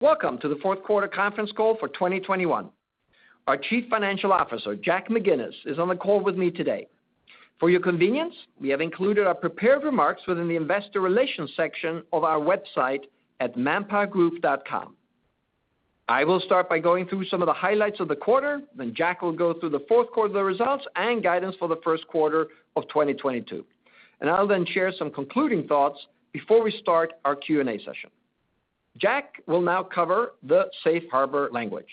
Welcome to the fourth quarter conference call for 2021. Our Chief Financial Officer, Jack McGinnis, is on the call with me today. For your convenience, we have included our prepared remarks within the investor relations section of our website at manpowergroup.com. I will start by going through some of the highlights of the quarter, then Jack will go through the fourth quarter results and guidance for the first quarter of 2022. I'll then share some concluding thoughts before we start our Q&A session. Jack will now cover the safe harbor language.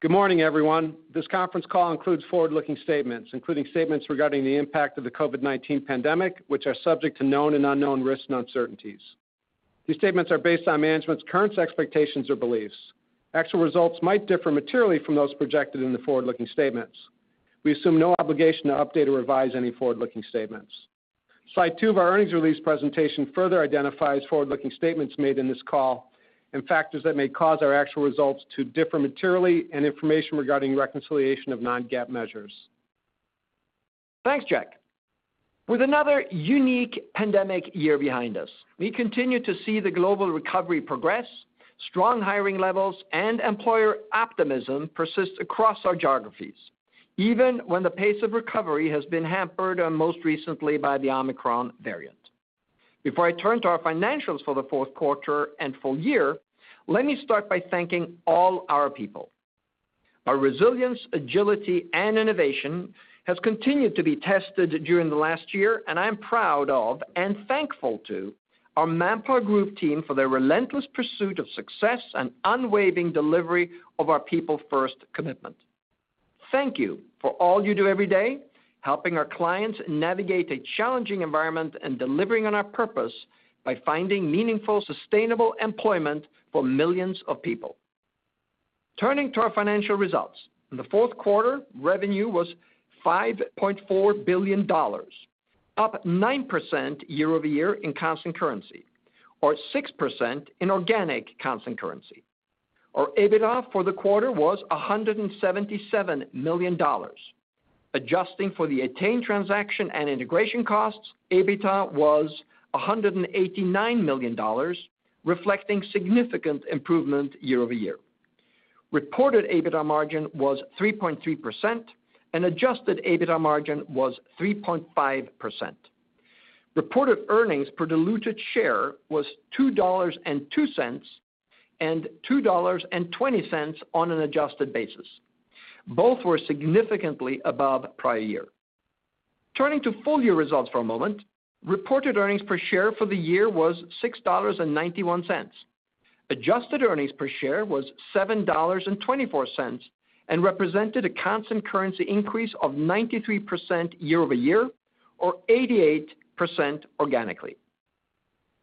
Good morning, everyone. This conference call includes forward-looking statements, including statements regarding the impact of the COVID-19 pandemic, which are subject to known and unknown risks and uncertainties. These statements are based on management's current expectations or beliefs. Actual results might differ materially from those projected in the forward-looking statements. We assume no obligation to update or revise any forward-looking statements. Slide two of our earnings release presentation further identifies forward-looking statements made in this call and factors that may cause our actual results to differ materially and information regarding reconciliation of non-GAAP measures. Thanks, Jack. With another unique pandemic year behind us, we continue to see the global recovery progress, strong hiring levels, and employer optimism persist across our geographies, even when the pace of recovery has been hampered most recently by the Omicron variant. Before I turn to our financials for the fourth quarter and full year, let me start by thanking all our people. Our resilience, agility, and innovation has continued to be tested during the last year, and I am proud of and thankful to our ManpowerGroup team for their relentless pursuit of success and unwavering delivery of our people first commitment. Thank you for all you do every day, helping our clients navigate a challenging environment and delivering on our purpose by finding meaningful, sustainable employment for millions of people. Turning to our financial results. In the fourth quarter, revenue was $5.4 billion, up 9% year-over-year in constant currency, or 6% in organic constant currency. Our EBITDA for the quarter was $177 million. Adjusting for the Ettain transaction and integration costs, EBITDA was $189 million, reflecting significant improvement year-over-year. Reported EBITDA margin was 3.3%, and adjusted EBITDA margin was 3.5%. Reported earnings per diluted share was $2.02, and $2.20 on an adjusted basis. Both were significantly above prior year. Turning to full year results for a moment. Reported earnings per share for the year was $6.91. Adjusted earnings per share was $7.24 and represented a constant-currency increase of 93% year-over-year or 88% organically.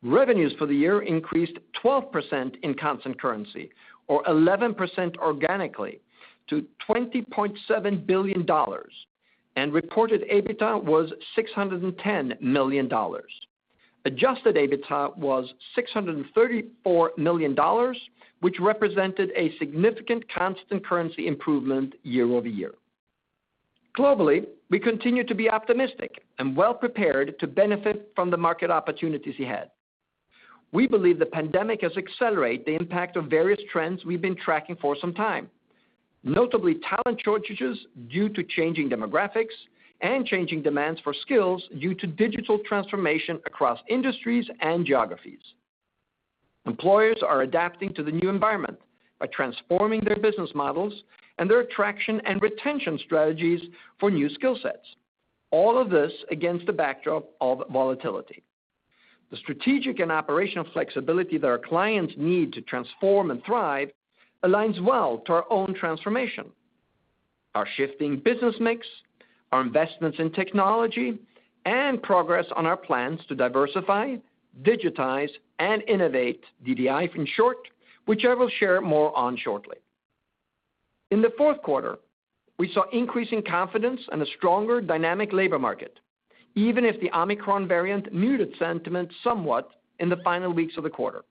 Revenues for the year increased 12% in constant currency or 11% organically to $20.7 billion, and reported EBITDA was $610 million. Adjusted EBITDA was $634 million, which represented a significant constant-currency improvement year-over-year. Globally, we continue to be optimistic and well prepared to benefit from the market opportunities ahead. We believe the pandemic has accelerated the impact of various trends we've been tracking for some time, notably talent shortages due to changing demographics and changing demands for skills due to digital transformation across industries and geographies. Employers are adapting to the new environment by transforming their business models and their attraction and retention strategies for new skill sets. All of this against the backdrop of volatility. The strategic and operational flexibility that our clients need to transform and thrive aligns well to our own transformation. Our shifting business mix, our investments in technology, and progress on our plans to diversify, digitize, and innovate, DDI for short, which I will share more on shortly. In the fourth quarter, we saw increasing confidence and a stronger dynamic labor market, even if the Omicron variant muted sentiment somewhat in the final weeks of the quarter.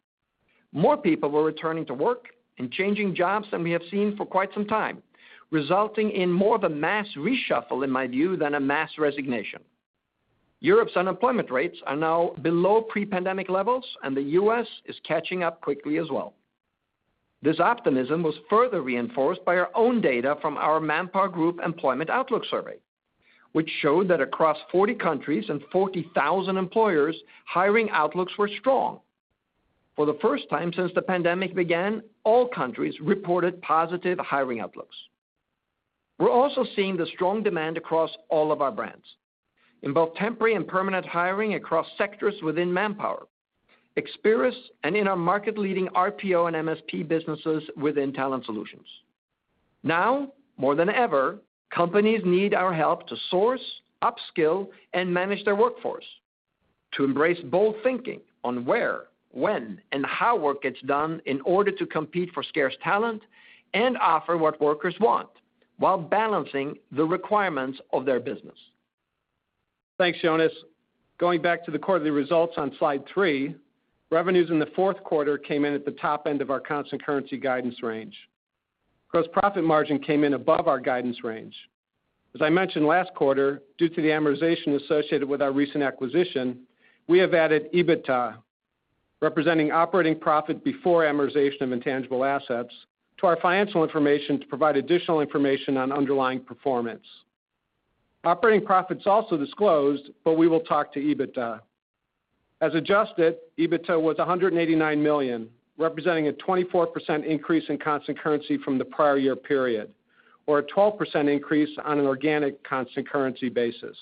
More people were returning to work and changing jobs than we have seen for quite some time, resulting in more of a mass reshuffle, in my view, than a mass resignation. Europe's unemployment rates are now below pre-pandemic levels, and the U.S. is catching up quickly as well. This optimism was further reinforced by our own data from our ManpowerGroup Employment Outlook Survey, which showed that across 40 countries and 40,000 employers, hiring outlooks were strong. For the first time since the pandemic began, all countries reported positive hiring outlooks. We're also seeing the strong demand across all of our brands, in both temporary and permanent hiring across sectors within Manpower, Experis, and in our market-leading RPO and MSP businesses within Talent Solutions. Now, more than ever, companies need our help to source, upskill, and manage their workforce to embrace bold thinking on where, when, and how work gets done in order to compete for scarce talent and offer what workers want while balancing the requirements of their business. Thanks, Jonas. Going back to the quarterly results on slide three, revenues in the fourth quarter came in at the top end of our constant currency guidance range. Gross profit margin came in above our guidance range. As I mentioned last quarter, due to the amortization associated with our recent acquisition, we have added EBITDA, representing operating profit before amortization of intangible assets, to our financial information to provide additional information on underlying performance. Operating profits also disclosed, but we will talk to EBITDA. As adjusted, EBITDA was $189 million, representing a 24% increase in constant currency from the prior year period, or a 12% increase on an organic constant currency basis.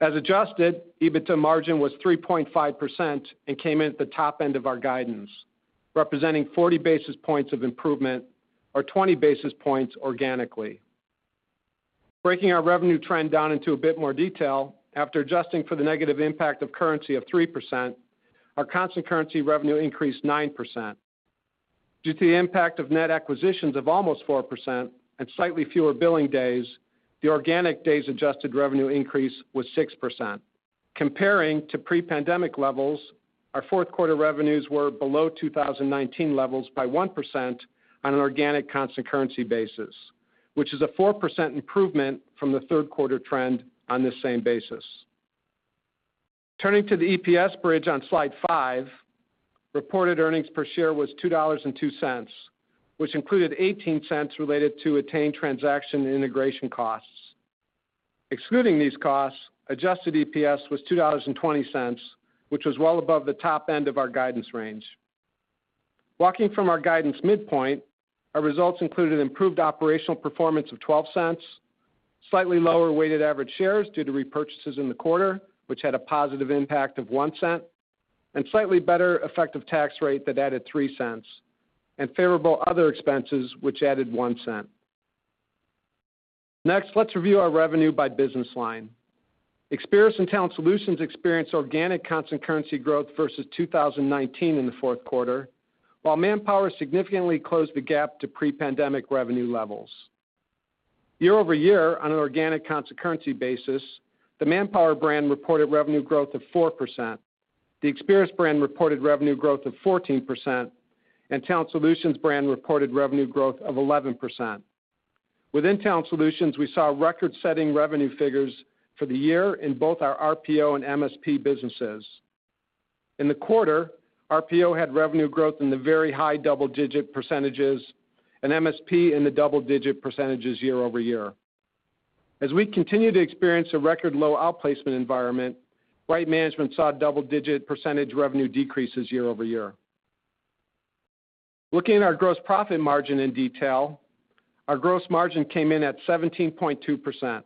As adjusted, EBITDA margin was 3.5% and came in at the top end of our guidance, representing 40 basis points of improvement or 20 basis points organically. Breaking our revenue trend down into a bit more detail, after adjusting for the negative impact of currency of 3%, our constant currency revenue increased 9%. Due to the impact of net acquisitions of almost 4% and slightly fewer billing days, the organic days adjusted revenue increase was 6%. Comparing to pre-pandemic levels, our fourth quarter revenues were below 2019 levels by 1% on an organic constant currency basis, which is a 4% improvement from the third quarter trend on this same basis. Turning to the EPS bridge on slide five, reported earnings per share was $2.02, which included $0.18 related to Ettain transaction integration costs. Excluding these costs, adjusted EPS was $2.20, which was well above the top end of our guidance range. Walking from our guidance midpoint, our results included improved operational performance of $0.12, slightly lower weighted average shares due to repurchases in the quarter, which had a positive impact of $0.01, and slightly better effective tax rate that added $0.03, and favorable other expenses which added $0.01. Next, let's review our revenue by business line. Experis and Talent Solutions experienced organic constant currency growth versus 2019 in the fourth quarter, while Manpower significantly closed the gap to pre-pandemic revenue levels. Year-over-year on an organic constant currency basis, the Manpower brand reported revenue growth of 4%, the Experis brand reported revenue growth of 14%, and Talent Solutions brand reported revenue growth of 11%. Within Talent Solutions, we saw record-setting revenue figures for the year in both our RPO and MSP businesses. In the quarter, RPO had revenue growth in the very high double-digit percentages and MSP in the double-digit percentages year-over-year. As we continue to experience a record low outplacement environment, Right Management saw double-digit percent revenue decreases year-over-year. Looking at our gross profit margin in detail, our gross margin came in at 17.2%.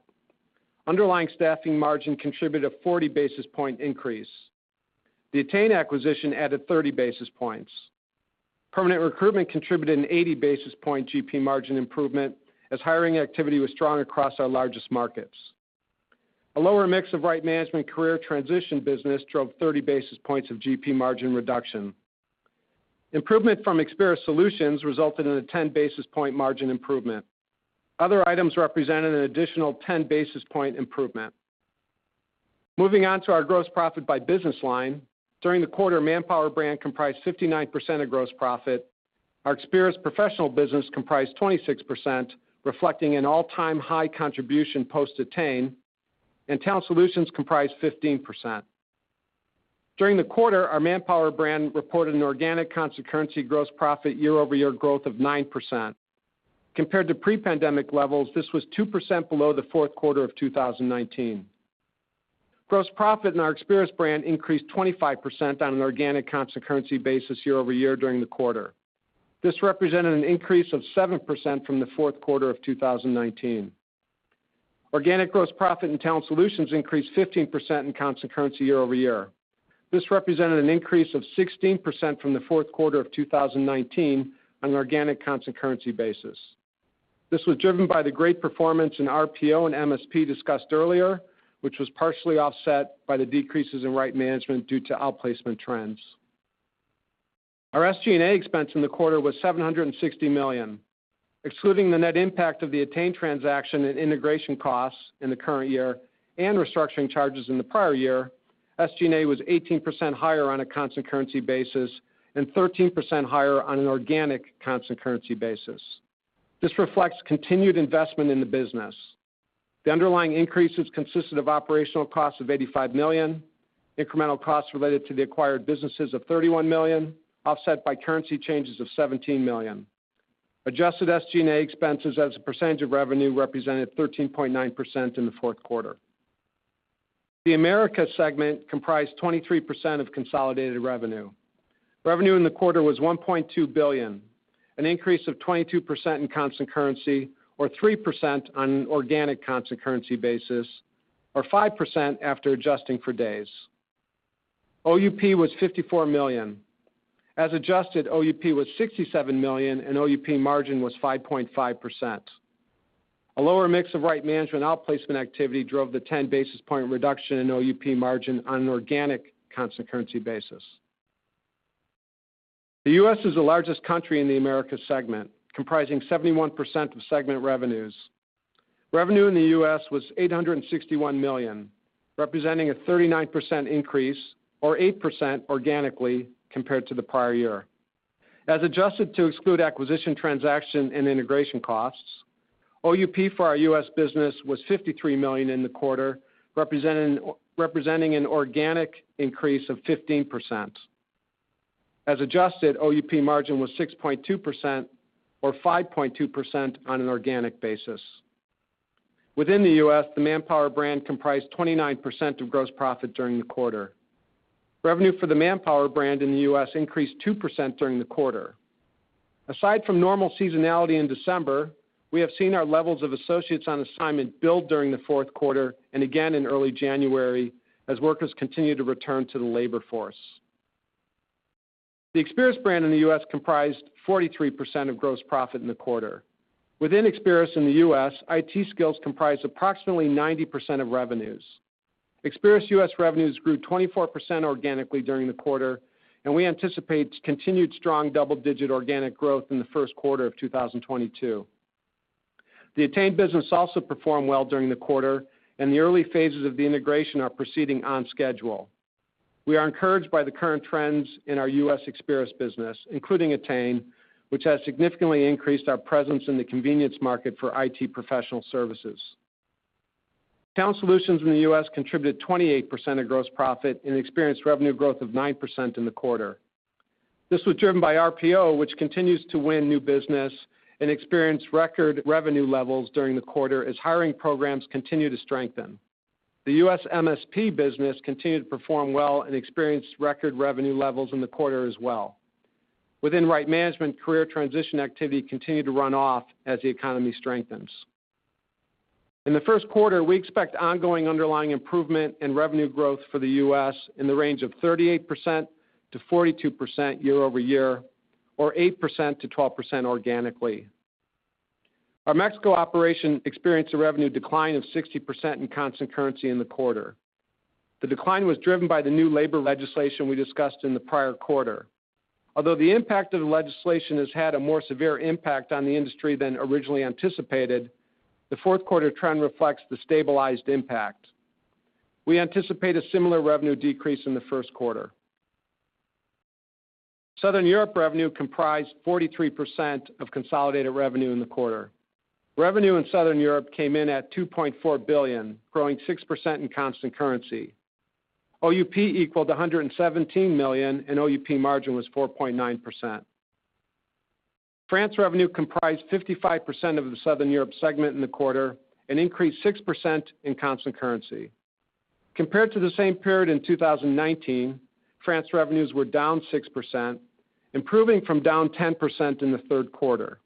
Underlying staffing margin contributed a 40 basis point increase. The Ettain acquisition added 30 basis points. Permanent recruitment contributed an 80 basis point GP margin improvement as hiring activity was strong across our largest markets. A lower mix of Right Management career transition business drove 30 basis points of GP margin reduction. Improvement from Experis Solutions resulted in a 10 basis point margin improvement. Other items represented an additional 10 basis point improvement. Moving on to our gross profit by business line. During the quarter, Manpower brand comprised 59% of gross profit. Our Experis professional business comprised 26%, reflecting an all-time high contribution post-Ettain, and Talent Solutions comprised 15%. During the quarter, our Manpower brand reported an organic constant-currency gross profit year-over-year growth of 9%. Compared to pre-pandemic levels, this was 2% below the fourth quarter of 2019. Gross profit in our Experis brand increased 25% on an organic constant-currency basis year-over-year during the quarter. This represented an increase of 7% from the fourth quarter of 2019. Organic gross profit in Talent Solutions increased 15% in constant currency year-over-year. This represented an increase of 16% from the fourth quarter of 2019 on an organic constant-currency basis. This was driven by the great performance in RPO and MSP discussed earlier, which was partially offset by the decreases in Right Management due to outplacement trends. Our SG&A expense in the quarter was $760 million. Excluding the net impact of the Ettain transaction and integration costs in the current year and restructuring charges in the prior year, SG&A was 18% higher on a constant currency basis and 13% higher on an organic constant currency basis. This reflects continued investment in the business. The underlying increases consisted of operational costs of $85 million, incremental costs related to the acquired businesses of $31 million, offset by currency changes of $17 million. Adjusted SG&A expenses as a percentage of revenue represented 13.9% in the fourth quarter. The Americas segment comprised 23% of consolidated revenue. Revenue in the quarter was $1.2 billion, an increase of 22% in constant currency or 3% on an organic constant currency basis, or 5% after adjusting for days. OUP was $54 million. As adjusted, OUP was $67 million and OUP margin was 5.5%. A lower mix of Right Management outplacement activity drove the 10 basis point reduction in OUP margin on an organic constant currency basis. The U.S. is the largest country in the Americas segment, comprising 71% of segment revenues. Revenue in the U.S. was $861 million, representing a 39% increase or 8% organically compared to the prior year. As adjusted to exclude acquisition transaction and integration costs, OUP for our U.S. business was $53 million in the quarter, representing an organic increase of 15%. As adjusted, OUP margin was 6.2% or 5.2% on an organic basis. Within the U.S., the Manpower brand comprised 29% of gross profit during the quarter. Revenue for the Manpower brand in the U.S. increased 2% during the quarter. Aside from normal seasonality in December, we have seen our levels of associates on assignment build during the fourth quarter and again in early January as workers continue to return to the labor force. The Experis brand in the U.S. comprised 43% of gross profit in the quarter. Within Experis in the U.S., IT skills comprised approximately 90% of revenues. Experis U.S. revenues grew 24% organically during the quarter, and we anticipate continued strong double-digit organic growth in the first quarter of 2022. The Ettain business also performed well during the quarter, and the early phases of the integration are proceeding on schedule. We are encouraged by the current trends in our U.S. Experis business, including Ettain, which has significantly increased our presence in the contingent market for IT professional services. Talent Solutions in the U.S. contributed 28% of gross profit and experienced revenue growth of 9% in the quarter. This was driven by RPO, which continues to win new business and experienced record revenue levels during the quarter as hiring programs continue to strengthen. The U.S. MSP business continued to perform well and experienced record revenue levels in the quarter as well. Within Right Management, career transition activity continued to run off as the economy strengthens. In the first quarter, we expect ongoing underlying improvement in revenue growth for the U.S. in the range of 38%-42% year-over-year, or 8%-12% organically. Our Mexico operation experienced a revenue decline of 60% in constant currency in the quarter. The decline was driven by the new labor legislation we discussed in the prior quarter. Although the impact of the legislation has had a more severe impact on the industry than originally anticipated, the fourth quarter trend reflects the stabilized impact. We anticipate a similar revenue decrease in the first quarter. Southern Europe revenue comprised 43% of consolidated revenue in the quarter. Revenue in Southern Europe came in at $2.4 billion, growing 6% in constant currency. OUP equaled $117 million, and OUP margin was 4.9%. France revenue comprised 55% of the Southern Europe segment in the quarter and increased 6% in constant currency. Compared to the same period in 2019, France revenues were down 6%, improving from down 10% in the third quarter.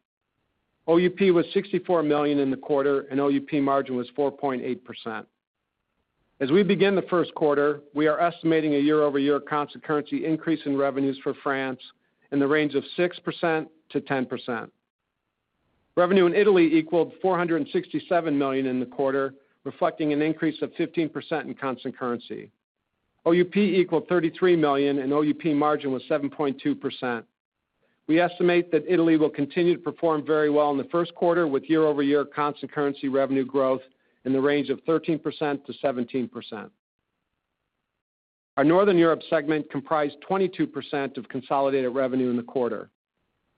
OUP was $64 million in the quarter, and OUP margin was 4.8%. As we begin the first quarter, we are estimating a year-over-year constant currency increase in revenues for France in the range of 6%-10%. Revenue in Italy equaled $467 million in the quarter, reflecting an increase of 15% in constant currency. OUP equaled $33 million, and OUP margin was 7.2%. We estimate that Italy will continue to perform very well in the first quarter with year-over-year constant currency revenue growth in the range of 13%-17%. Our Northern Europe segment comprised 22% of consolidated revenue in the quarter.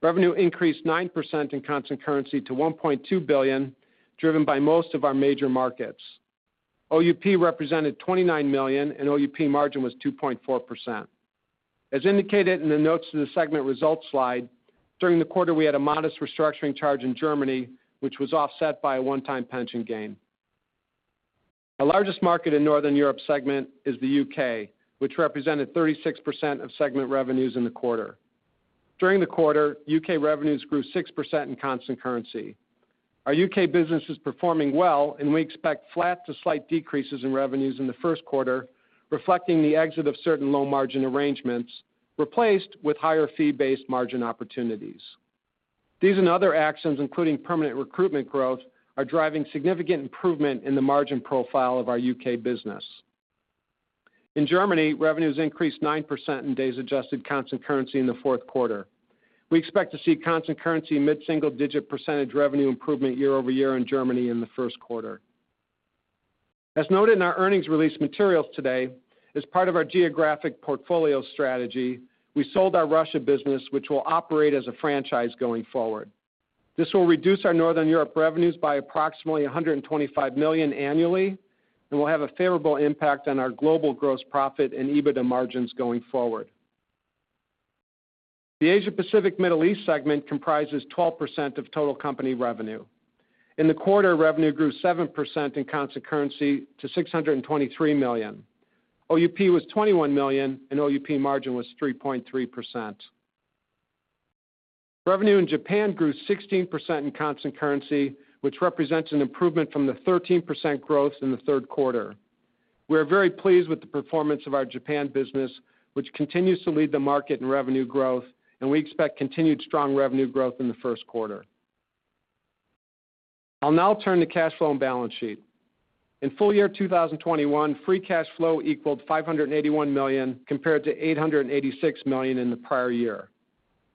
Revenue increased 9% in constant currency to $1.2 billion, driven by most of our major markets. OUP represented $29 million, and OUP margin was 2.4%. As indicated in the notes to the segment results slide, during the quarter, we had a modest restructuring charge in Germany, which was offset by a one-time pension gain. Our largest market in Northern Europe segment is the U.K., which represented 36% of segment revenues in the quarter. During the quarter, U.K. revenues grew 6% in constant currency. Our U.K. business is performing well, and we expect flat to slight decreases in revenues in the first quarter, reflecting the exit of certain low-margin arrangements replaced with higher fee-based margin opportunities. These and other actions, including permanent recruitment growth, are driving significant improvement in the margin profile of our U.K. business. In Germany, revenues increased 9% in days-adjusted constant currency in the fourth quarter. We expect to see constant-currency mid-single-digit percentage revenue improvement year-over-year in Germany in the first quarter. As noted in our earnings release materials today, as part of our geographic portfolio strategy, we sold our Russia business, which will operate as a franchise going forward. This will reduce our Northern Europe revenues by approximately $125 million annually and will have a favorable impact on our global gross profit and EBITDA margins going forward. The Asia Pacific Middle East segment comprises 12% of total company revenue. In the quarter, revenue grew 7% in constant currency to $623 million. OUP was $21 million, and OUP margin was 3.3%. Revenue in Japan grew 16% in constant currency, which represents an improvement from the 13% growth in the third quarter. We are very pleased with the performance of our Japan business, which continues to lead the market in revenue growth, and we expect continued strong revenue growth in the first quarter. I'll now turn to cash flow and balance sheet. In full year 2021, free cash flow equaled $581 million, compared to $886 million in the prior year.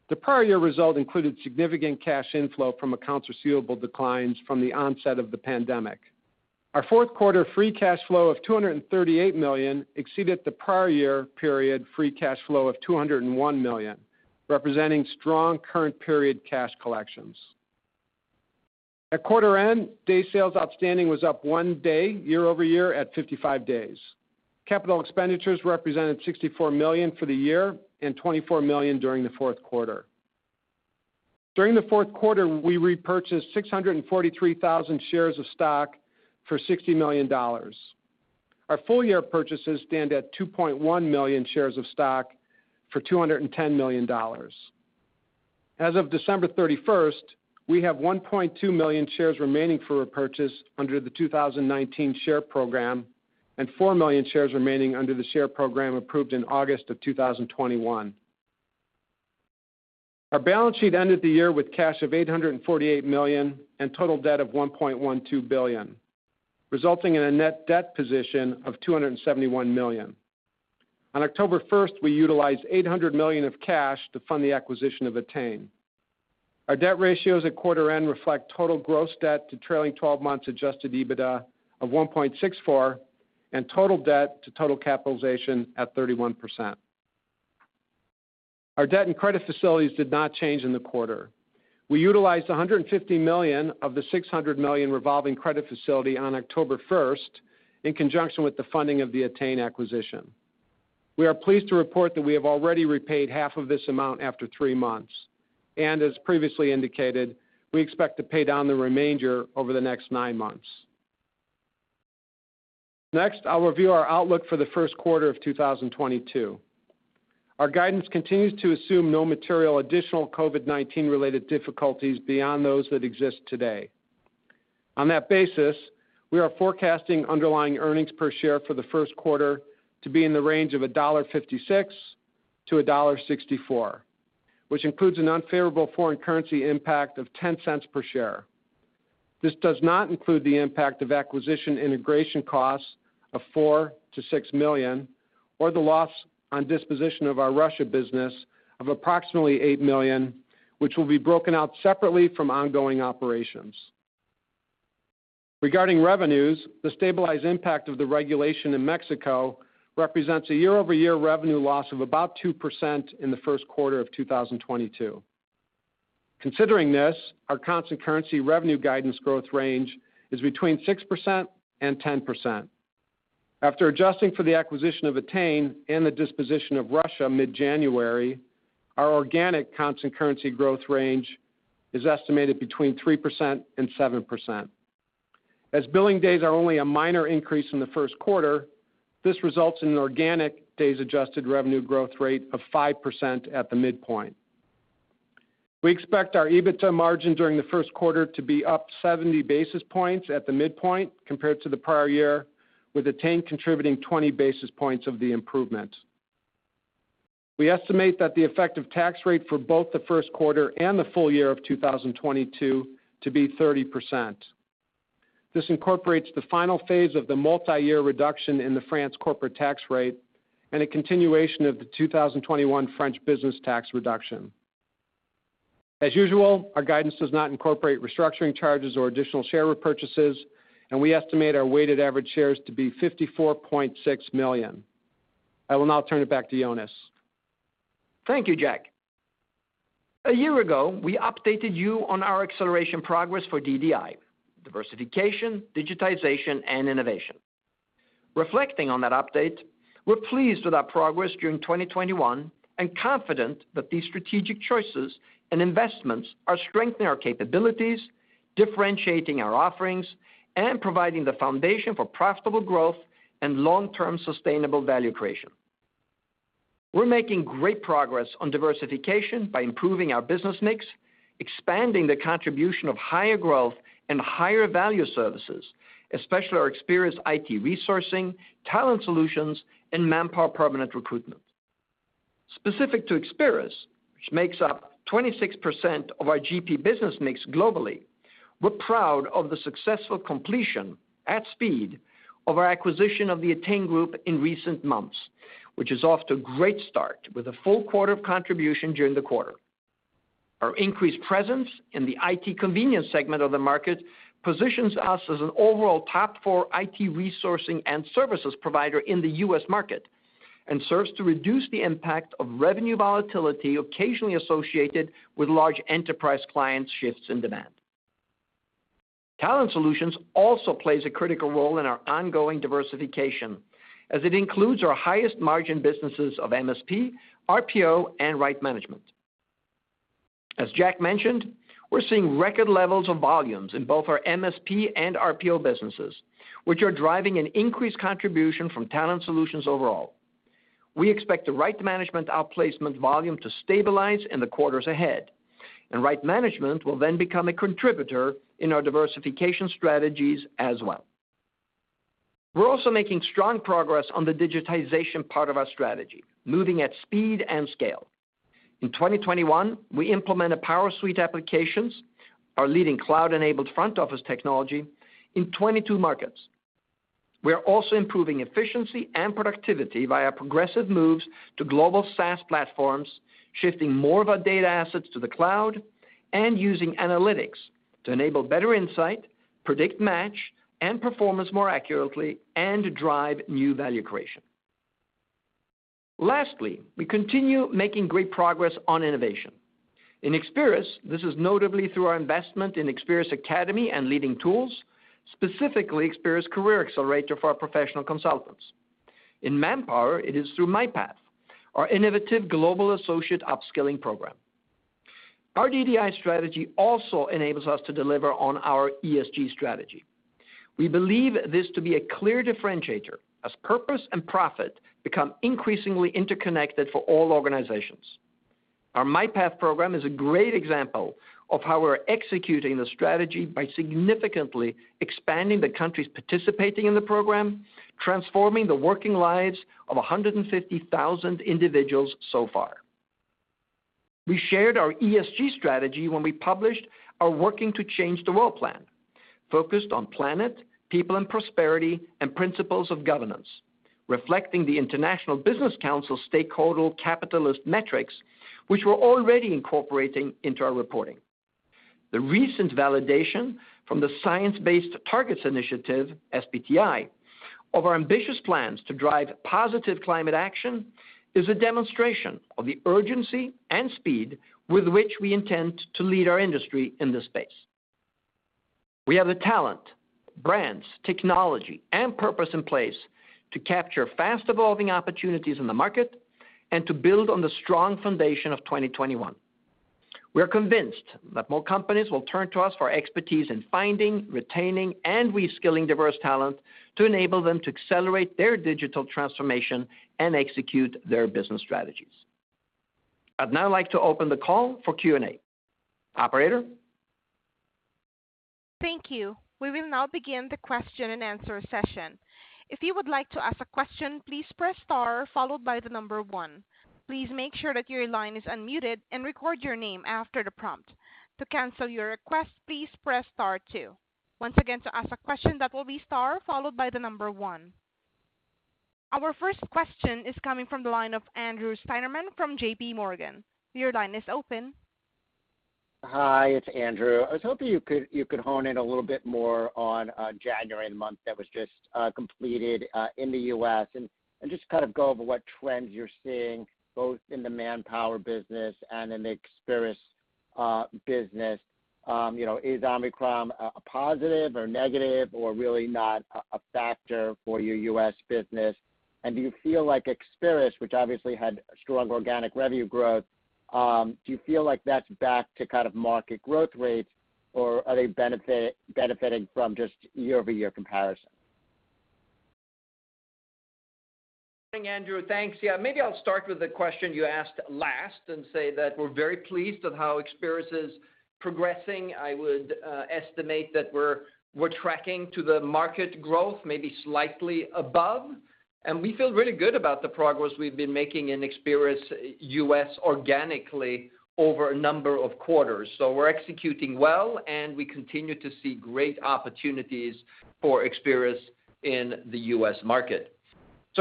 The prior year result included significant cash inflow from accounts receivable declines from the onset of the pandemic. Our fourth quarter free cash flow of $238 million exceeded the prior year period free cash flow of $201 million, representing strong current period cash collections. At quarter end, days sales outstanding was up one day year-over-year at 55 days. Capital expenditures represented $64 million for the year and $24 million during the fourth quarter. During the fourth quarter, we repurchased 643,000 shares of stock for $60 million. Our full-year purchases stand at 2.1 million shares of stock for $210 million. As of December 31, we have 1.2 million shares remaining for repurchase under the 2019 share program and 4 million shares remaining under the share program approved in August 2021. Our balance sheet ended the year with cash of $848 million and total debt of $1.12 billion, resulting in a net debt position of $271 million. On October first, we utilized $800 million of cash to fund the acquisition of Ettain. Our debt ratios at quarter end reflect total gross debt to trailing twelve months adjusted EBITDA of 1.64 and total debt to total capitalization at 31%. Our debt and credit facilities did not change in the quarter. We utilized $150 million of the $600 million revolving credit facility on October first in conjunction with the funding of the Ettain acquisition. We are pleased to report that we have already repaid half of this amount after three months. As previously indicated, we expect to pay down the remainder over the next nine months. Next, I'll review our outlook for the first quarter of 2022. Our guidance continues to assume no material additional COVID-19 related difficulties beyond those that exist today. On that basis, we are forecasting underlying earnings per share for the first quarter to be in the range of $1.56-$1.64, which includes an unfavorable foreign currency impact of $0.10 per share. This does not include the impact of acquisition integration costs of $4 million-$6 million or the loss on disposition of our Russia business of approximately $8 million, which will be broken out separately from ongoing operations. Regarding revenues, the stabilized impact of the regulation in Mexico represents a year-over-year revenue loss of about 2% in the first quarter of 2022. Considering this, our constant currency revenue guidance growth range is between 6% and 10%. After adjusting for the acquisition of Ettain and the disposition of Russia mid-January, our organic constant currency growth range is estimated between 3% and 7%. As billing days are only a minor increase in the first quarter, this results in an organic days adjusted revenue growth rate of 5% at the midpoint. We expect our EBITDA margin during the first quarter to be up 70 basis points at the midpoint compared to the prior year, with Ettain contributing 20 basis points of the improvement. We estimate that the effective tax rate for both the first quarter and the full year of 2022 to be 30%. This incorporates the final phase of the multiyear reduction in the French corporate tax rate and a continuation of the 2021 French business tax reduction. As usual, our guidance does not incorporate restructuring charges or additional share repurchases, and we estimate our weighted average shares to be 54.6 million. I will now turn it back to Jonas. Thank you, Jack. A year ago, we updated you on our acceleration progress for DDI, diversification, digitization, and innovation. Reflecting on that update, we're pleased with our progress during 2021 and confident that these strategic choices and investments are strengthening our capabilities, differentiating our offerings, and providing the foundation for profitable growth and long-term sustainable value creation. We're making great progress on diversification by improving our business mix, expanding the contribution of higher growth and higher value services, especially our Experis IT resourcing, Talent Solutions, and Manpower permanent recruitment. Specific to Experis, which makes up 26% of our GP business mix globally, we're proud of the successful completion at speed of our acquisition of the Ettain Group in recent months, which is off to a great start with a full quarter of contribution during the quarter. Our increased presence in the IT convenience segment of the market positions us as an overall top four IT resourcing and services provider in the U.S. market and serves to reduce the impact of revenue volatility occasionally associated with large enterprise clients shifts in demand. Talent Solutions also plays a critical role in our ongoing diversification as it includes our highest margin businesses of MSP, RPO, and Right Management. As Jack mentioned, we're seeing record levels of volumes in both our MSP and RPO businesses, which are driving an increased contribution from Talent Solutions overall. We expect the Right Management outplacement volume to stabilize in the quarters ahead, and Right Management will then become a contributor in our diversification strategies as well. We're also making strong progress on the digitization part of our strategy, moving at speed and scale. In 2021, we implemented PowerSuite applications, our leading cloud-enabled front-office technology in 22 markets. We are also improving efficiency and productivity via progressive moves to global SaaS platforms, shifting more of our data assets to the cloud and using analytics to enable better insight, predict match and performance more accurately, and drive new value creation. Lastly, we continue making great progress on innovation. In Experis, this is notably through our investment in Experis Academy and leading tools, specifically Experis Career Accelerator for our professional consultants. In Manpower, it is through MyPath, our innovative global associate upskilling program. Our DDI strategy also enables us to deliver on our ESG strategy. We believe this to be a clear differentiator as purpose and profit become increasingly interconnected for all organizations. Our MyPath program is a great example of how we're executing the strategy by significantly expanding the countries participating in the program, transforming the working lives of 150,000 individuals so far. We shared our ESG strategy when we published our Working to Change the World plan, focused on planet, people and prosperity, and principles of governance, reflecting the International Business Council Stakeholder Capitalism Metrics, which we're already incorporating into our reporting. The recent validation from the Science Based Targets initiative, SBTi, of our ambitious plans to drive positive climate action is a demonstration of the urgency and speed with which we intend to lead our industry in this space. We have the talent, brands, technology, and purpose in place to capture fast evolving opportunities in the market and to build on the strong foundation of 2021. We are convinced that more companies will turn to us for expertise in finding, retaining, and reskilling diverse talent to enable them to accelerate their digital transformation and execute their business strategies. I'd now like to open the call for Q&A. Operator? Thank you. We will now begin the question and answer session. Our first question is coming from the line of Andrew Steinerman from JPMorgan. Your line is open. Hi, it's Andrew. I was hoping you could hone in a little bit more on January month that was just completed in the U.S. and just kind of go over what trends you're seeing both in the Manpower business and in the Experis business. You know, is Omicron a positive or negative or really not a factor for your U.S. business? Do you feel like Experis, which obviously had strong organic revenue growth, do you feel like that's back to kind of market growth rates or are they benefiting from just year-over-year comparison? Andrew, thanks. Yeah, maybe I'll start with the question you asked last and say that we're very pleased with how Experis is progressing. I would estimate that we're tracking to the market growth, maybe slightly above. We feel really good about the progress we've been making in Experis U.S. organically over a number of quarters. We're executing well, and we continue to see great opportunities for Experis in the U.S. market.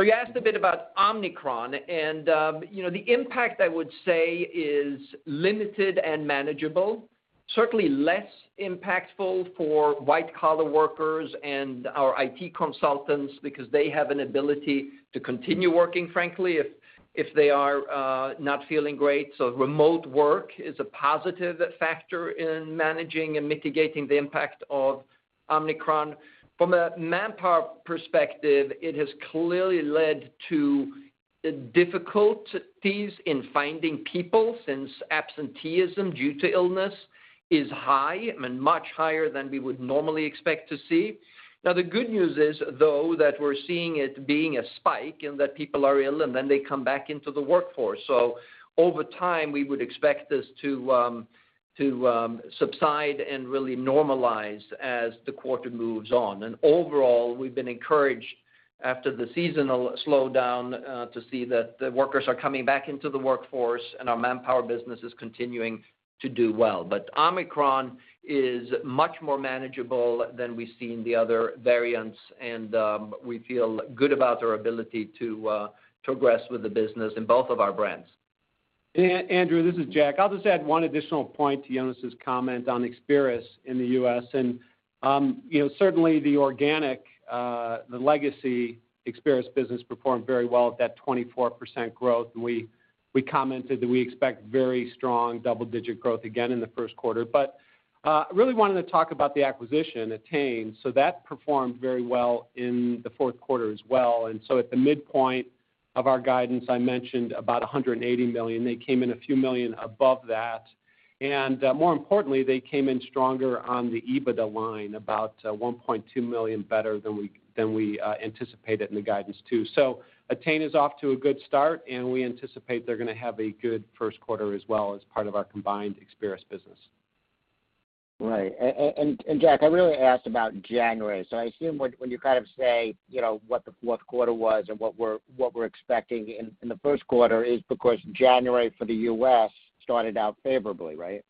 You asked a bit about Omicron, and you know, the impact I would say is limited and manageable. Certainly less impactful for white collar workers and our IT consultants because they have an ability to continue working frankly if they are not feeling great. Remote work is a positive factor in managing and mitigating the impact of Omicron. From a Manpower perspective, it has clearly led to difficulties in finding people since absenteeism due to illness is high and much higher than we would normally expect to see. Now, the good news is, though, that we're seeing it being a spike in that people are ill and then they come back into the workforce. Over time, we would expect this to subside and really normalize as the quarter moves on. Overall, we've been encouraged after the seasonal slowdown to see that the workers are coming back into the workforce and our Manpower business is continuing to do well. Omicron is much more manageable than we see in the other variants, and we feel good about our ability to progress with the business in both of our brands. Andrew, this is Jack. I'll just add one additional point to Jonas' comment on Experis in the U.S. You know, certainly the organic, the legacy Experis business performed very well at that 24% growth. We commented that we expect very strong double-digit growth again in the first quarter. I really wanted to talk about the acquisition, Ettain. That performed very well in the fourth quarter as well. At the midpoint of our guidance, I mentioned about $180 million. They came in a few million above that. More importantly, they came in stronger on the EBITDA line, $1.2 million better than we anticipated in the guidance too. Ettain is off to a good start, and we anticipate they're gonna have a good first quarter as well as part of our combined Experis business. Right. Jack, I really asked about January. I assume when you kind of say, you know, what the fourth quarter was and what we're expecting in the first quarter is because January for the U.S. started out favorably, right?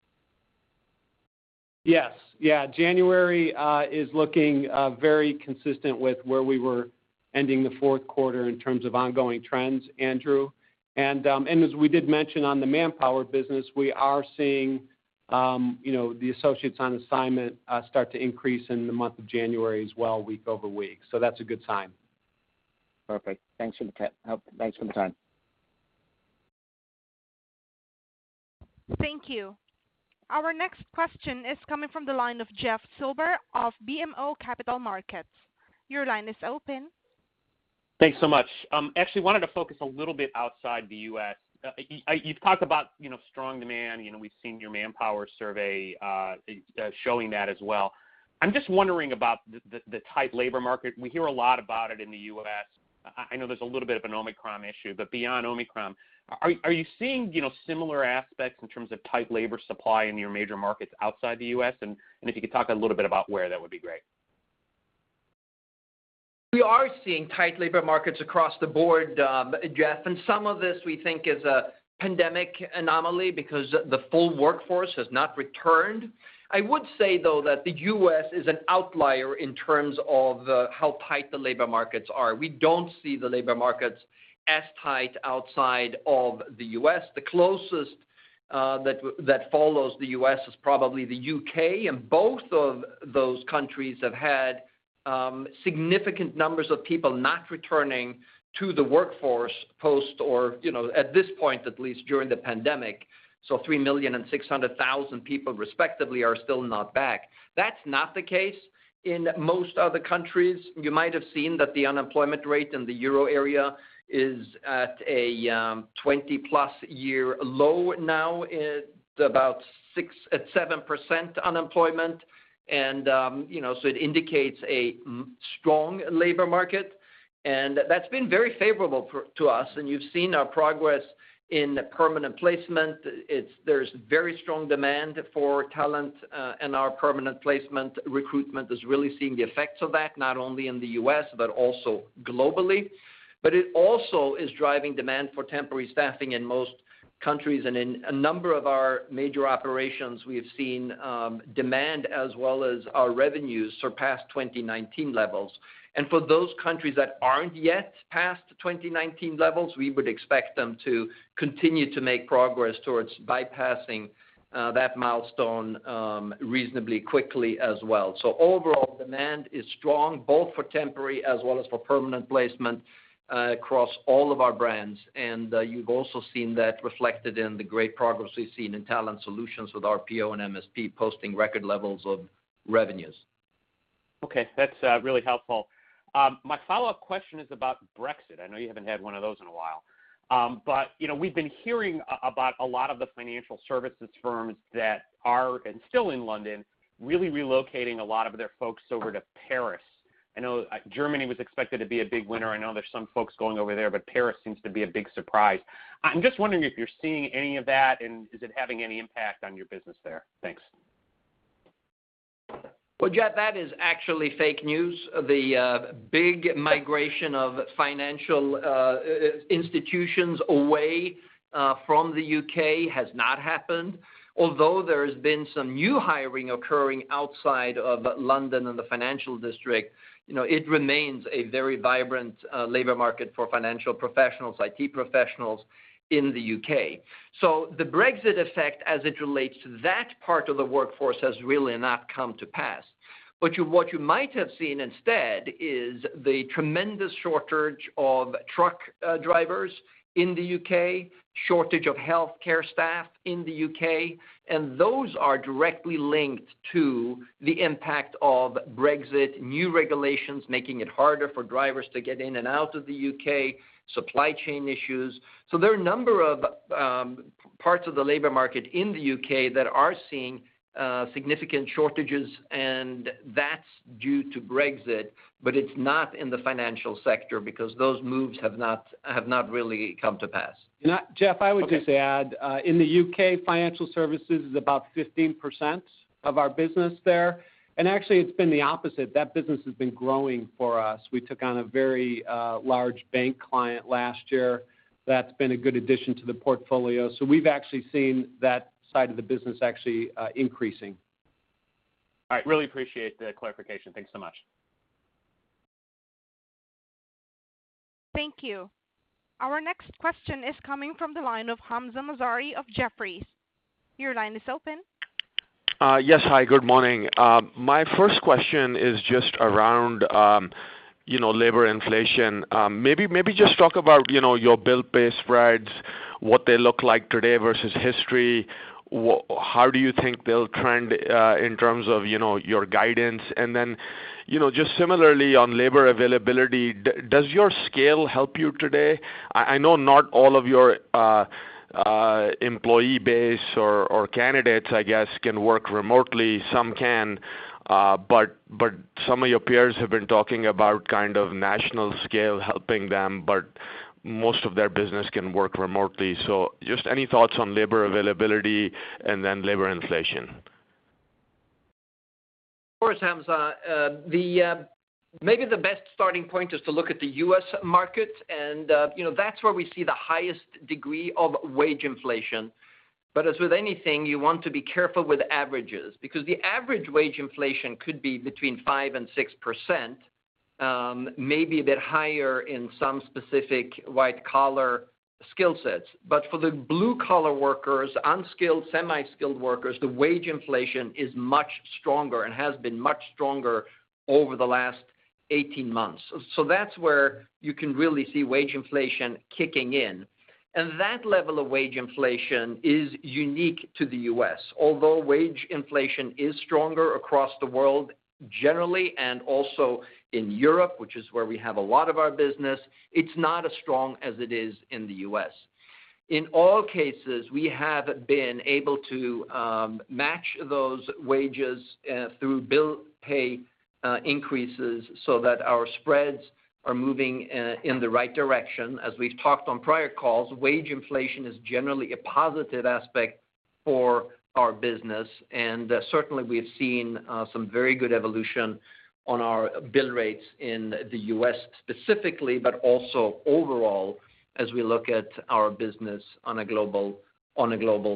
Yes. Yeah, January is looking very consistent with where we were ending the fourth quarter in terms of ongoing trends, Andrew. As we did mention on the Manpower business, we are seeing you know, the associates on assignment start to increase in the month of January as well, week-over-week. That's a good sign. Perfect. Thanks for the time. Thank you. Our next question is coming from the line of Jeff Silber of BMO Capital Markets. Your line is open. Thanks so much. Actually wanted to focus a little bit outside the U.S. You've talked about, you know, strong demand. You know, we've seen your Manpower survey showing that as well. I'm just wondering about the tight labor market. We hear a lot about it in the U.S. I know there's a little bit of an Omicron issue, but beyond Omicron, are you seeing, you know, similar aspects in terms of tight labor supply in your major markets outside the U.S.? And if you could talk a little bit about where, that would be great. We are seeing tight labor markets across the board, Jeff, and some of this we think is a pandemic anomaly because the full workforce has not returned. I would say, though, that the U.S. is an outlier in terms of how tight the labor markets are. We don't see the labor markets as tight outside of the U.S. The closest that follows the U.S. is probably the U.K., and both of those countries have had significant numbers of people not returning to the workforce post or, you know, at this point, at least during the pandemic. 3 million and 600,000 people respectively are still not back. That's not the case in most other countries. You might have seen that the unemployment rate in the Euro area is at a 20+ year low now. It's about 7% unemployment. You know, it indicates a strong labor market. That's been very favorable to us, and you've seen our progress in permanent placement. There's very strong demand for talent, and our permanent placement recruitment is really seeing the effects of that, not only in the U.S., but also globally. It also is driving demand for temporary staffing in most countries. In a number of our major operations, we have seen demand as well as our revenues surpass 2019 levels. For those countries that aren't yet past 2019 levels, we would expect them to continue to make progress towards bypassing that milestone reasonably quickly as well. Overall, demand is strong, both for temporary as well as for permanent placement across all of our brands. You've also seen that reflected in the great progress we've seen in Talent Solutions with RPO and MSP posting record levels of revenues. Okay. That's really helpful. My follow-up question is about Brexit. I know you haven't had one of those in a while. You know, we've been hearing about a lot of the financial services firms that are still in London really relocating a lot of their folks over to Paris. I know Germany was expected to be a big winner. I know there's some folks going over there, but Paris seems to be a big surprise. I'm just wondering if you're seeing any of that, and is it having any impact on your business there? Thanks. Well, Jeff, that is actually fake news. The big migration of financial institutions away from the U.K. has not happened. Although there has been some new hiring occurring outside of London and the financial district, you know, it remains a very vibrant labor market for financial professionals, IT professionals in the U.K. The Brexit effect, as it relates to that part of the workforce, has really not come to pass. What you might have seen instead is the tremendous shortage of truck drivers in the U.K., shortage of healthcare staff in the U.K., and those are directly linked to the impact of Brexit, new regulations making it harder for drivers to get in and out of the U.K., supply chain issues. There are a number of parts of the labor market in the U.K. that are seeing significant shortages, and that's due to Brexit, but it's not in the financial sector because those moves have not really come to pass. Jeff, I would just add, in the U.K., financial services is about 15% of our business there. Actually, it's been the opposite. That business has been growing for us. We took on a very large bank client last year. That's been a good addition to the portfolio. So we've actually seen that side of the business actually increasing. All right. Really appreciate the clarification. Thanks so much. Thank you. Our next question is coming from the line of Hamzah Mazari of Jefferies. Your line is open. Yes. Hi, good morning. My first question is just around, you know, labor inflation. Maybe just talk about, you know, your bill-pay spreads, what they look like today versus history. How do you think they'll trend in terms of, you know, your guidance? And then, you know, just similarly on labor availability, does your scale help you today? I know not all of your employee base or candidates, I guess, can work remotely. Some can, but some of your peers have been talking about kind of national scale helping them, but most of their business can work remotely. So just any thoughts on labor availability and then labor inflation. Of course, Hamzah. Maybe the best starting point is to look at the U.S. market and, you know, that's where we see the highest degree of wage inflation. As with anything, you want to be careful with averages because the average wage inflation could be between 5%-6%, maybe a bit higher in some specific white-collar skill sets. For the blue-collar workers, unskilled, semi-skilled workers, the wage inflation is much stronger and has been much stronger over the last 18 months. That's where you can really see wage inflation kicking in. That level of wage inflation is unique to the U.S. Although wage inflation is stronger across the world generally and also in Europe, which is where we have a lot of our business, it's not as strong as it is in the U.S. In all cases, we have been able to match those wages through bill pay increases so that our spreads are moving in the right direction. As we've talked on prior calls, wage inflation is generally a positive aspect for our business. Certainly, we have seen some very good evolution on our bill rates in the U.S. specifically, but also overall as we look at our business on a global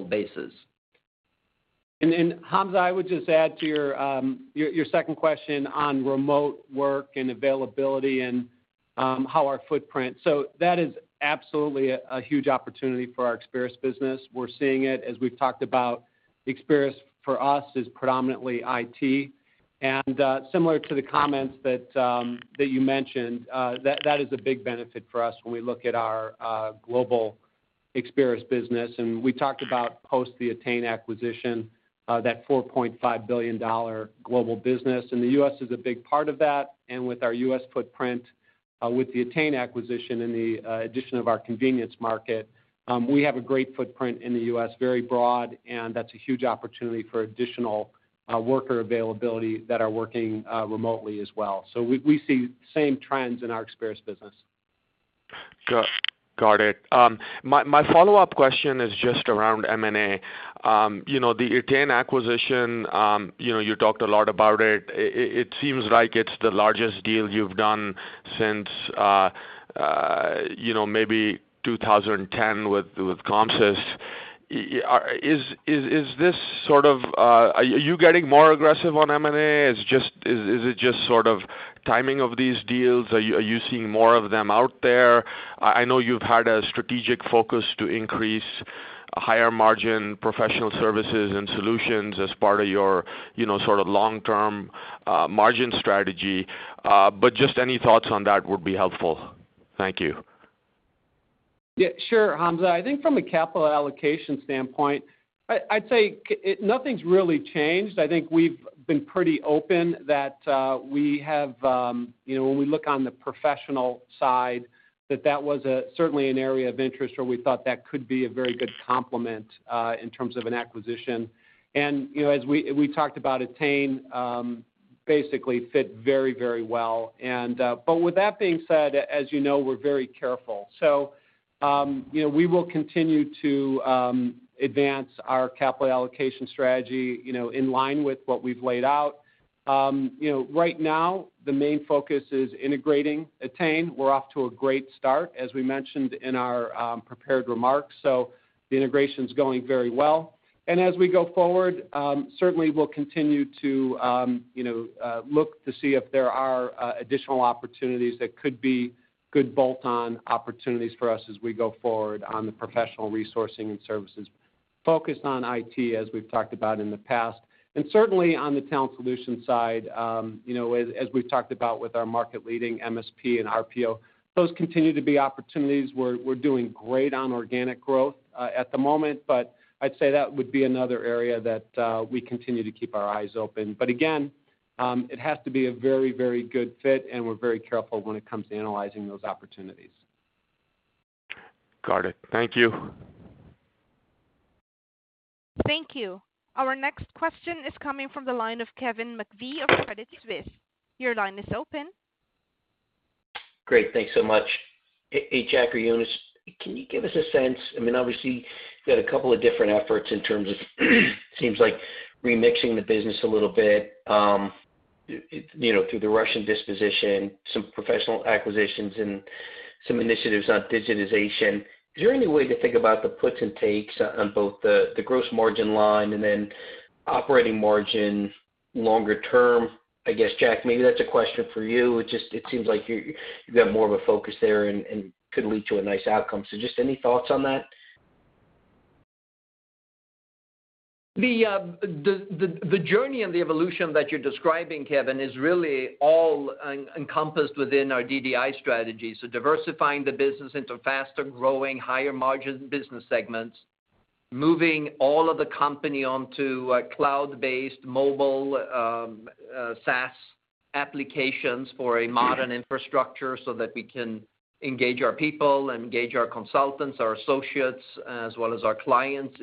basis. Hamzah, I would just add to your second question on remote work and availability and how our footprint. That is absolutely a huge opportunity for our Experis business. We're seeing it as we've talked about. Experis for us is predominantly IT. Similar to the comments that you mentioned, that is a big benefit for us when we look at our global Experis business. We talked about post the Ettain acquisition, that $4.5 billion global business, and the U.S. is a big part of that. With our U.S. footprint, with the Ettain acquisition and the addition of our contingent market, we have a great footprint in the U.S., very broad, and that's a huge opportunity for additional worker availability that are working remotely as well. We see same trends in our Experis business. Got it. My follow-up question is just around M&A. You know, the Ettain acquisition, you know, you talked a lot about it. It seems like it's the largest deal you've done since, you know, maybe 2010 with COMSYS. Is this sort of? Are you getting more aggressive on M&A? Is it just sort of timing of these deals? Are you seeing more of them out there? I know you've had a strategic focus to increase higher margin professional services and solutions as part of your, you know, sort of long-term margin strategy. Just any thoughts on that would be helpful. Thank you. Yeah, sure, Hamza. I think from a capital allocation standpoint, I'd say nothing's really changed. I think we've been pretty open that we have, you know, when we look on the professional side, that was certainly an area of interest where we thought that could be a very good complement in terms of an acquisition. You know, as we talked about Ettain, basically fit very, very well. But with that being said, as you know, we're very careful. You know, we will continue to advance our capital allocation strategy, you know, in line with what we've laid out. You know, right now, the main focus is integrating Ettain. We're off to a great start, as we mentioned in our prepared remarks, so the integration is going very well. As we go forward, certainly we'll continue to, you know, look to see if there are additional opportunities that could be good bolt-on opportunities for us as we go forward on the professional resourcing and services focused on IT, as we've talked about in the past. Certainly on the Talent Solutions side, you know, as we've talked about with our market leading MSP and RPO, those continue to be opportunities. We're doing great on organic growth at the moment, but I'd say that would be another area that we continue to keep our eyes open. Again, it has to be a very good fit, and we're very careful when it comes to analyzing those opportunities. Got it. Thank you. Thank you. Our next question is coming from the line of Kevin McVeigh of Credit Suisse. Your line is open. Great. Thanks so much. Hey, Jack or Jonas, can you give us a sense. I mean, obviously, you've got a couple of different efforts in terms of, seems like remixing the business a little bit, you know, through the Russian disposition, some professional acquisitions and some initiatives on digitization. Is there any way to think about the puts and takes on both the gross margin line and then operating margin longer term? I guess, Jack, maybe that's a question for you. It seems like you've got more of a focus there and could lead to a nice outcome. Just any thoughts on that? The journey and the evolution that you're describing, Kevin, is really all encompassed within our DDI strategy. Diversifying the business into faster-growing, higher-margin business segments, moving all of the company onto a cloud-based mobile SaaS applications for a modern infrastructure so that we can engage our people, engage our consultants, our associates, as well as our clients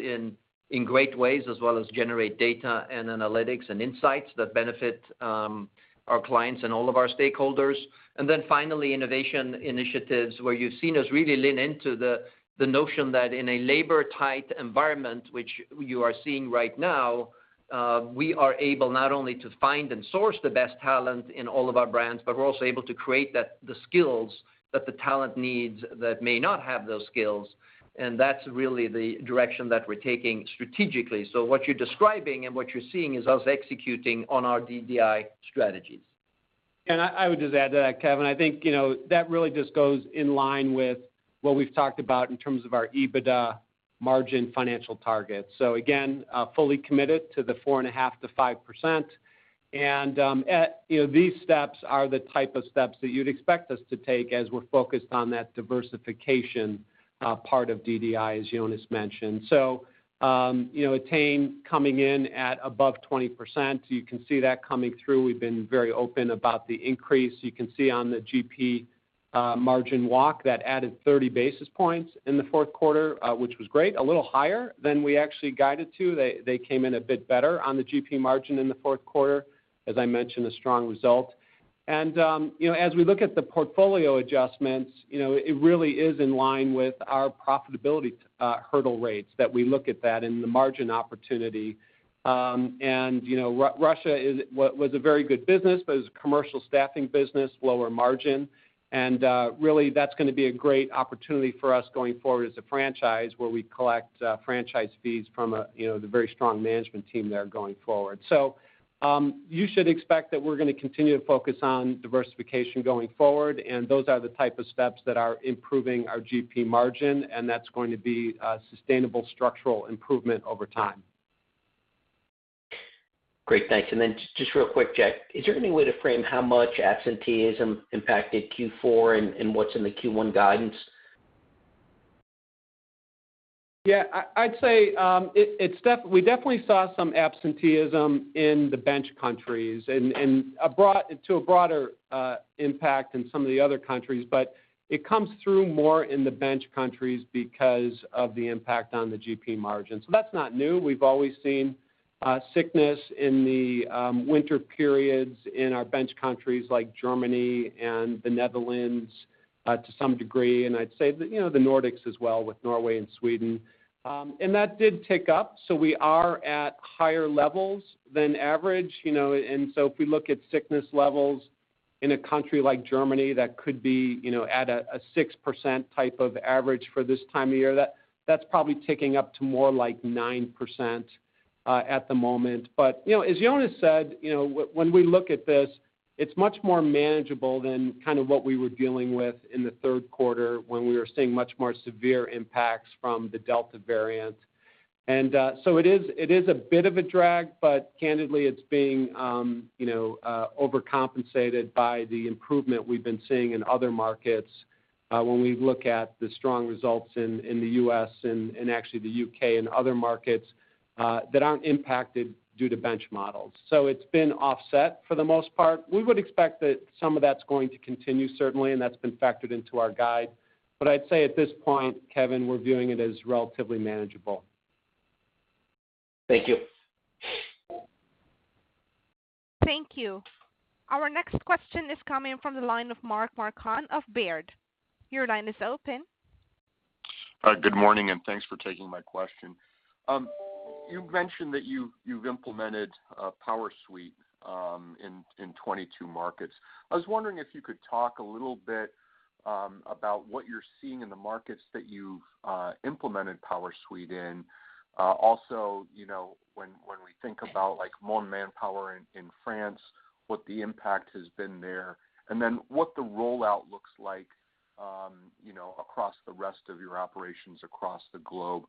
in great ways, as well as generate data and analytics and insights that benefit our clients and all of our stakeholders. Innovation initiatives, where you've seen us really lean into the notion that in a labor-tight environment, which you are seeing right now, we are able not only to find and source the best talent in all of our brands, but we're also able to create the skills that the talent needs that may not have those skills. That's really the direction that we're taking strategically. What you're describing and what you're seeing is us executing on our DDI strategies. I would just add to that, Kevin. I think, you know, that really just goes in line with what we've talked about in terms of our EBITDA margin financial targets. Again, fully committed to the 4.5%-5%. These steps are the type of steps that you'd expect us to take as we're focused on that diversification, part of DDI, as Jonas mentioned. You know, Ettain coming in at above 20%, you can see that coming through. We've been very open about the increase. You can see on the GP margin walk that added 30 basis points in the fourth quarter, which was great. A little higher than we actually guided to. They came in a bit better on the GP margin in the fourth quarter. As I mentioned, a strong result. You know, as we look at the portfolio adjustments, you know, it really is in line with our profitability hurdle rates that we look at that and the margin opportunity. You know, Russia was a very good business, but it's a commercial staffing business, lower margin. Really, that's gonna be a great opportunity for us going forward as a franchise where we collect franchise fees from a, you know, the very strong management team there going forward. You should expect that we're gonna continue to focus on diversification going forward, and those are the type of steps that are improving our GP margin, and that's going to be a sustainable structural improvement over time. Great. Thanks. Just real quick, Jack. Is there any way to frame how much absenteeism impacted Q4 and what's in the Q1 guidance? Yeah. I'd say we definitely saw some absenteeism in the bench countries and abroad to a broader impact in some of the other countries. But it comes through more in the bench countries because of the impact on the GP margins. So that's not new. We've always seen sickness in the winter periods in our bench countries like Germany and the Netherlands to some degree, and I'd say the Nordics as well with Norway and Sweden. That did tick up, so we are at higher levels than average, you know. If we look at sickness levels in a country like Germany, that could be, you know, at a 6% type of average for this time of year. That's probably ticking up to more like 9% at the moment. You know, as Jonas said, you know, when we look at this, it's much more manageable than kind of what we were dealing with in the third quarter when we were seeing much more severe impacts from the Delta variant. So it is a bit of a drag, but candidly, it's being overcompensated by the improvement we've been seeing in other markets when we look at the strong results in the U.S. and actually the U.K. and other markets that aren't impacted due to bench models. It's been offset for the most part. We would expect that some of that's going to continue, certainly, and that's been factored into our guide. I'd say at this point, Kevin, we're viewing it as relatively manageable. Thank you. Thank you. Our next question is coming from the line of Mark Marcon of Baird. Your line is open. Good morning, and thanks for taking my question. You've mentioned that you've implemented PowerSuite in 22 markets. I was wondering if you could talk a little bit about what you're seeing in the markets that you've implemented PowerSuite in. Also, you know, when we think about, like, Mon Manpower in France, what the impact has been there. What the rollout looks like, you know, across the rest of your operations across the globe.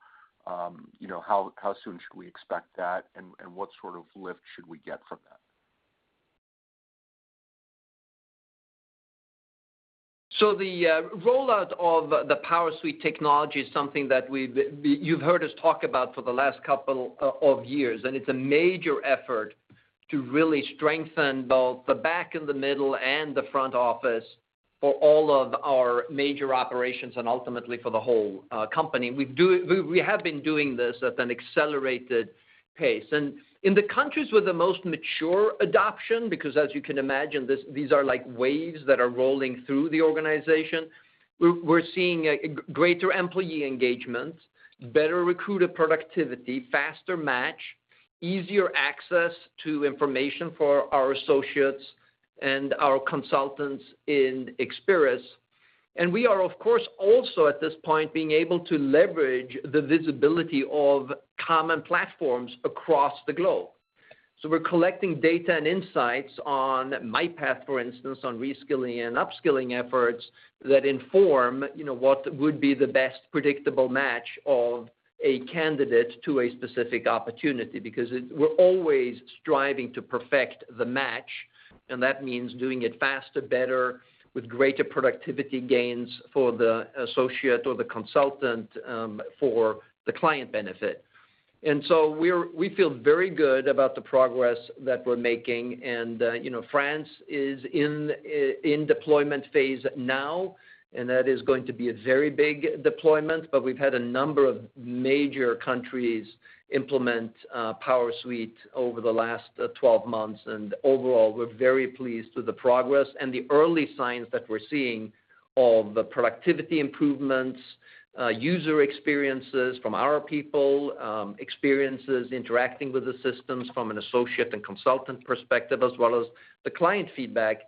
You know, how soon should we expect that, and what sort of lift should we get from that? The rollout of the PowerSuite technology is something that you've heard us talk about for the last couple of years, and it's a major effort to really strengthen both the back and the middle and the front office for all of our major operations and ultimately for the whole company. We have been doing this at an accelerated pace. In the countries with the most mature adoption, because as you can imagine, these are like waves that are rolling through the organization. We're seeing a greater employee engagement, better recruiter productivity, faster match, easier access to information for our associates and our consultants in Experis. We are, of course, also at this point being able to leverage the visibility of common platforms across the globe. We're collecting data and insights on MyPath, for instance, on reskilling and upskilling efforts that inform, you know, what would be the best predictable match of a candidate to a specific opportunity because we're always striving to perfect the match, and that means doing it faster, better with greater productivity gains for the associate or the consultant, for the client benefit. We feel very good about the progress that we're making. France is in deployment phase now, and that is going to be a very big deployment. We've had a number of major countries implement PowerSuite over the last 12 months. Overall, we're very pleased with the progress and the early signs that we're seeing of the productivity improvements, user experiences from our people, experiences interacting with the systems from an associate and consultant perspective, as well as the client feedback.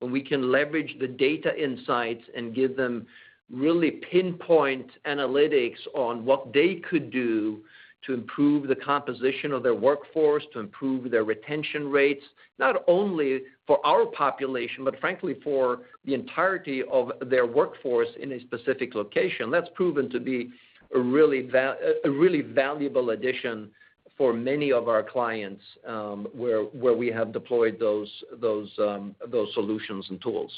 When we can leverage the data insights and give them really pinpoint analytics on what they could do to improve the composition of their workforce, to improve their retention rates, not only for our population, but frankly, for the entirety of their workforce in a specific location. That's proven to be a really valuable addition for many of our clients, where we have deployed those solutions and tools.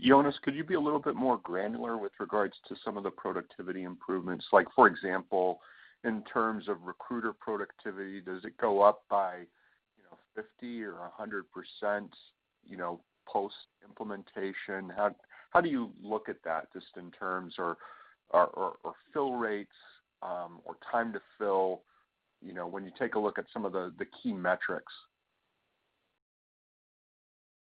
Jonas, could you be a little bit more granular with regards to some of the productivity improvements? Like, for example, in terms of recruiter productivity, does it go up by, you know, 50 or 100%, you know, post-implementation? How do you look at that just in terms or fill rates, or time to fill, you know, when you take a look at some of the key metrics?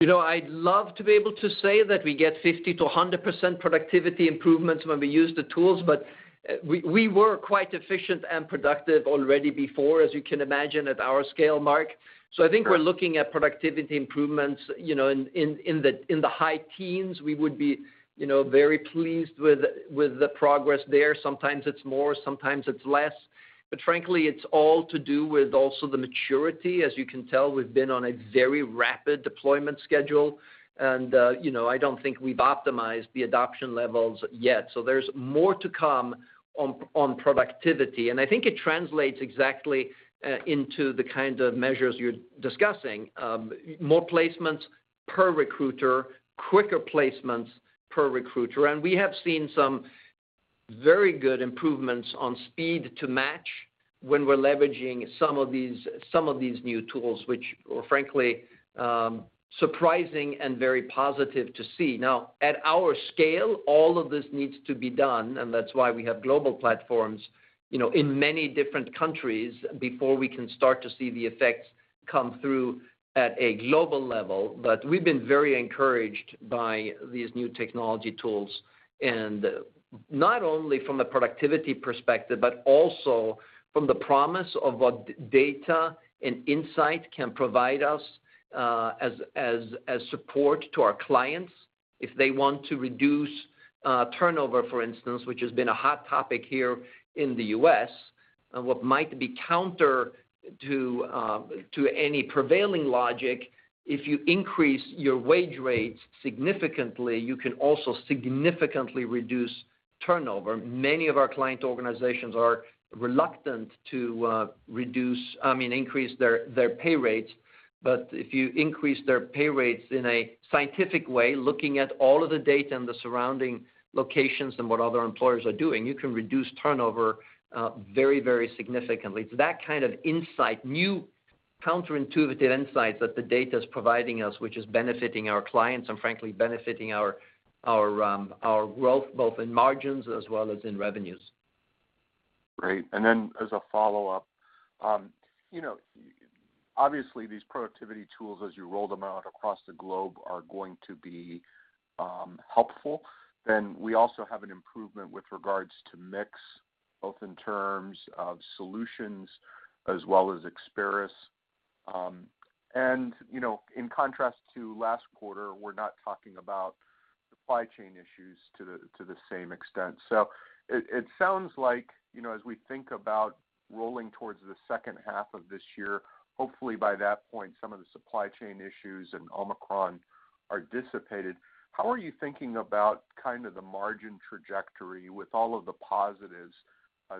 You know, I'd love to be able to say that we get 50%-100% productivity improvements when we use the tools. We were quite efficient and productive already before, as you can imagine, at our scale, Mark. I think we're looking at productivity improvements, you know, in the high teens. We would be, you know, very pleased with the progress there. Sometimes it's more, sometimes it's less. Frankly, it's all to do with also the maturity. As you can tell, we've been on a very rapid deployment schedule. You know, I don't think we've optimized the adoption levels yet. There's more to come on productivity. I think it translates exactly into the kind of measures you're discussing. More placements per recruiter, quicker placements per recruiter. We have seen some very good improvements on speed to match when we're leveraging some of these new tools, which were frankly surprising and very positive to see. Now, at our scale, all of this needs to be done, and that's why we have global platforms, you know, in many different countries before we can start to see the effects come through at a global level. But we've been very encouraged by these new technology tools, and not only from a productivity perspective, but also from the promise of what data and insight can provide us as support to our clients if they want to reduce turnover, for instance, which has been a hot topic here in the U.S. What might be counter to any prevailing logic, if you increase your wage rates significantly, you can also significantly reduce turnover. Many of our client organizations are reluctant to, I mean, increase their pay rates. If you increase their pay rates in a scientific way, looking at all of the data and the surrounding locations and what other employers are doing, you can reduce turnover very, very significantly. That kind of insight, new counterintuitive insights that the data is providing us, which is benefiting our clients and frankly, benefiting our growth, both in margins as well as in revenues. Great. As a follow-up, you know, obviously these productivity tools, as you roll them out across the globe, are going to be, helpful. We also have an improvement with regards to mix, both in terms of solutions as well as Experis. You know, in contrast to last quarter, we're not talking about supply chain issues to the same extent. It sounds like, you know, as we think about rolling towards the second half of this year, hopefully by that point, some of the supply chain issues and Omicron are dissipated. How are you thinking about kind of the margin trajectory with all of the positives,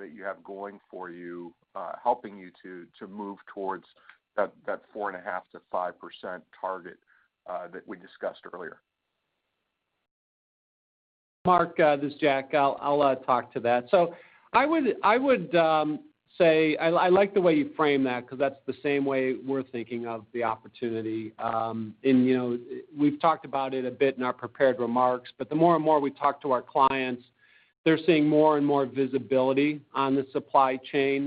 that you have going for you, helping you to move towards that 4.5%-5% target that we discussed earlier? Mark, this is Jack. I'll talk to that. I would say I like the way you frame that because that's the same way we're thinking of the opportunity. You know, we've talked about it a bit in our prepared remarks, but the more and more we talk to our clients, they're seeing more and more visibility on the supply chain,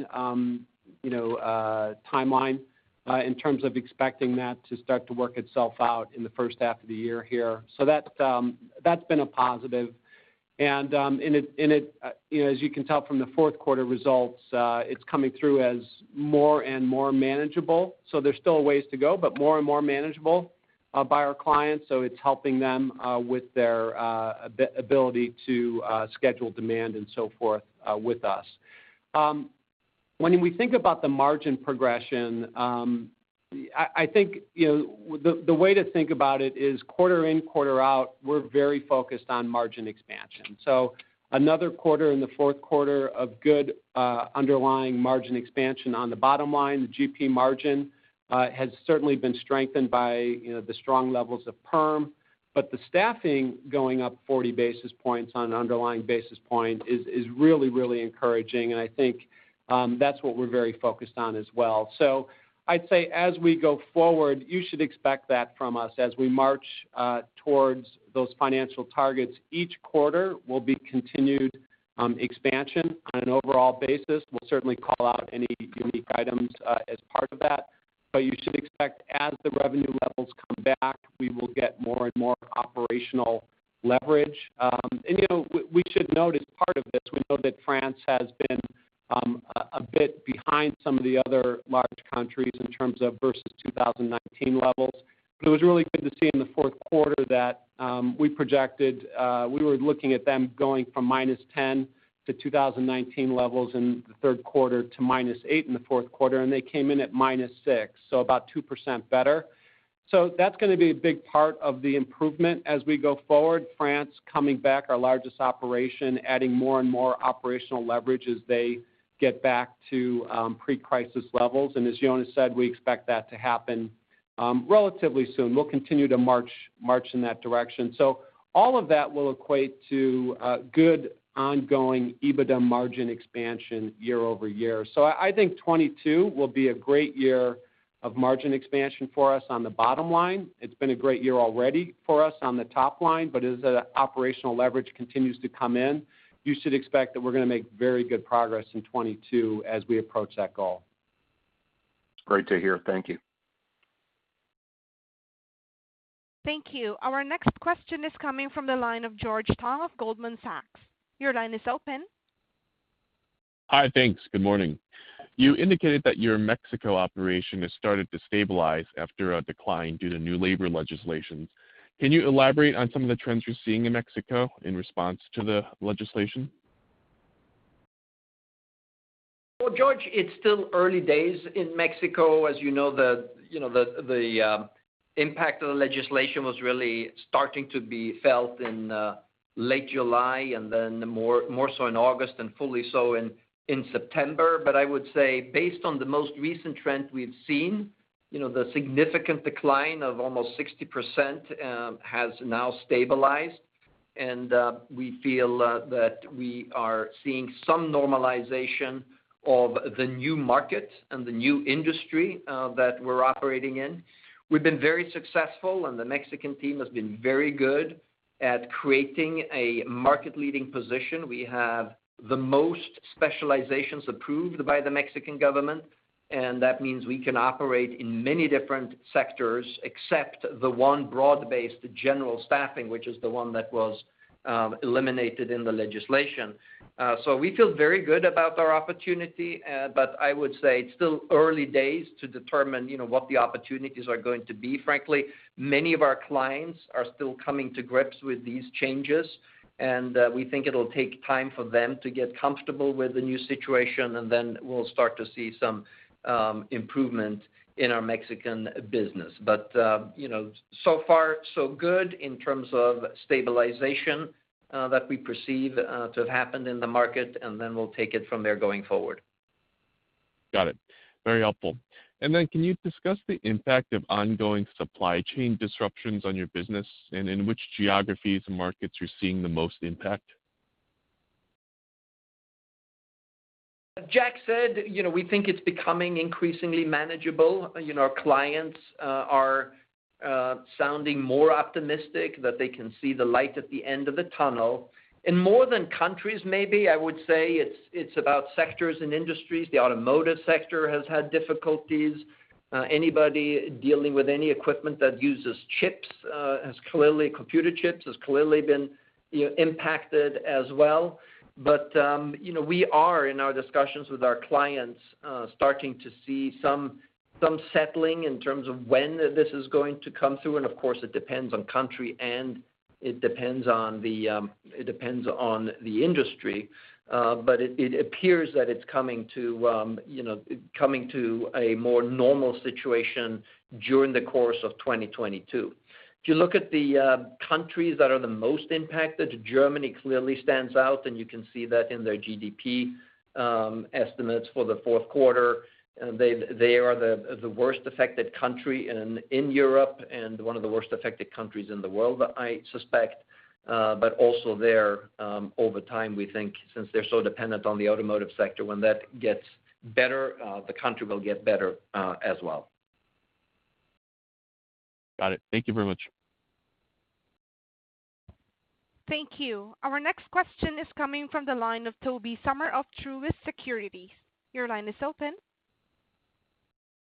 you know, timeline, in terms of expecting that to start to work itself out in the first half of the year here. That's been a positive. It, you know, as you can tell from the fourth quarter results, it's coming through as more and more manageable. There's still a ways to go, but more and more manageable by our clients, so it's helping them with their ability to schedule demand and so forth with us. When we think about the margin progression, I think you know the way to think about it is quarter in, quarter out, we're very focused on margin expansion. Another quarter in the fourth quarter of good underlying margin expansion on the bottom line. The GP margin has certainly been strengthened by you know the strong levels of perm. But the staffing going up 40 basis points on an underlying basis is really encouraging, and I think that's what we're very focused on as well. I'd say as we go forward, you should expect that from us as we march towards those financial targets. Each quarter will be continued, expansion on an overall basis. We'll certainly call out any unique items, as part of that. You should expect as the revenue levels come back, we will get more and more operational leverage. You know, we should note as part of this, we know that France has been a bit behind some of the other large countries in terms of versus 2019 levels. It was really good to see in the fourth quarter that we projected, we were looking at them going from -10% to 2019 levels in the third quarter to -8% in the fourth quarter, and they came in at -6%, so about 2% better. That's gonna be a big part of the improvement as we go forward. France coming back, our largest operation, adding more and more operational leverage as they get back to pre-crisis levels. As Jonas said, we expect that to happen relatively soon. We'll continue to march in that direction. All of that will equate to a good ongoing EBITDA margin expansion year-over-year. I think 2022 will be a great year of margin expansion for us on the bottom line. It's been a great year already for us on the top line. As the operational leverage continues to come in, you should expect that we're gonna make very good progress in 2022 as we approach that goal. Great to hear. Thank you. Thank you. Our next question is coming from the line of George Tong of Goldman Sachs. Your line is open. Hi. Thanks. Good morning. You indicated that your Mexico operation has started to stabilize after a decline due to new labor legislations. Can you elaborate on some of the trends you're seeing in Mexico in response to the legislation? Well, George, it's still early days in Mexico. As you know, the impact of the legislation was really starting to be felt in late July and then more so in August and fully so in September. I would say based on the most recent trend we've seen, you know, the significant decline of almost 60% has now stabilized. We feel that we are seeing some normalization of the new market and the new industry that we're operating in. We've been very successful, and the Mexican team has been very good at creating a market-leading position. We have the most specializations approved by the Mexican government, and that means we can operate in many different sectors except the one broad-based, general staffing, which is the one that was eliminated in the legislation. We feel very good about our opportunity, but I would say it's still early days to determine, you know, what the opportunities are going to be, frankly. Many of our clients are still coming to grips with these changes, and we think it'll take time for them to get comfortable with the new situation, and then we'll start to see some improvement in our Mexican business. You know, so far so good in terms of stabilization that we perceive to have happened in the market, and then we'll take it from there going forward. Got it. Very helpful. Can you discuss the impact of ongoing supply chain disruptions on your business and in which geographies and markets you're seeing the most impact? Jack said, you know, we think it's becoming increasingly manageable. You know, our clients are sounding more optimistic that they can see the light at the end of the tunnel. In more than countries, maybe I would say it's about sectors and industries. The automotive sector has had difficulties. Anybody dealing with any equipment that uses chips, computer chips, has clearly been, you know, impacted as well. You know, we are in our discussions with our clients, starting to see some settling in terms of when this is going to come through, and of course, it depends on country and it depends on the industry. It appears that it's coming to a more normal situation during the course of 2022. If you look at the countries that are the most impacted, Germany clearly stands out, and you can see that in their GDP estimates for the fourth quarter. They are the worst affected country in Europe and one of the worst affected countries in the world, I suspect. Also there, over time, we think since they're so dependent on the automotive sector, when that gets better, the country will get better as well. Got it. Thank you very much. Thank you. Our next question is coming from the line of Tobey Sommer of Truist Securities. Your line is open.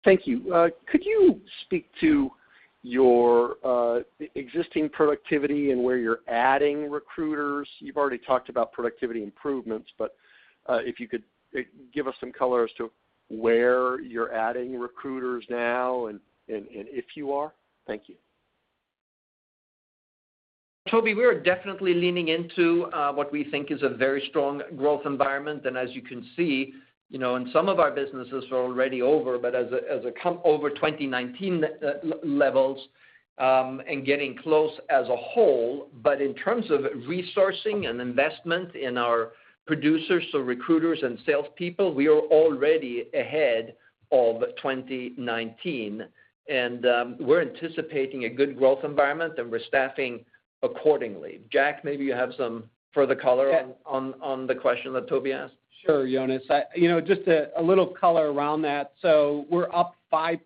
Thank you. Could you speak to your existing productivity and where you're adding recruiters? You've already talked about productivity improvements, but if you could give us some color as to where you're adding recruiters now and if you are. Thank you. Toby, we are definitely leaning into what we think is a very strong growth environment. As you can see, you know, in some of our businesses are already over 2019 levels, and getting close as a whole. In terms of resourcing and investment in our producers, so recruiters and salespeople, we are already ahead of 2019. We're anticipating a good growth environment, and we're staffing accordingly. Jack, maybe you have some further color. Yes On the question that Tobey asked. Sure, Jonas. You know, just a little color around that. We're up 5%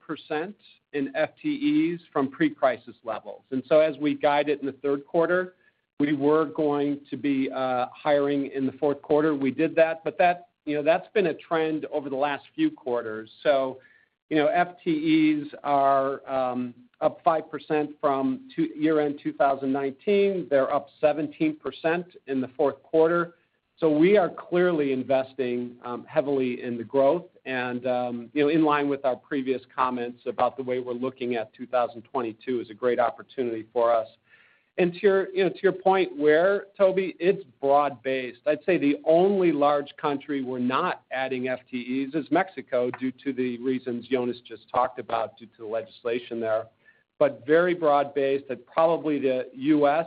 in FTEs from pre-crisis levels. As we guided in the third quarter, we were going to be hiring in the fourth quarter. We did that, but that's, you know, that's been a trend over the last few quarters. You know, FTEs are up 5% from year-end 2019. They're up 17% in the fourth quarter. We are clearly investing heavily in the growth and, you know, in line with our previous comments about the way we're looking at 2022 as a great opportunity for us. To your, you know, point, Toby, it's broad-based. I'd say the only large country we're not adding FTEs is Mexico, due to the reasons Jonas just talked about, due to the legislation there. Very broad-based, and probably the U.S.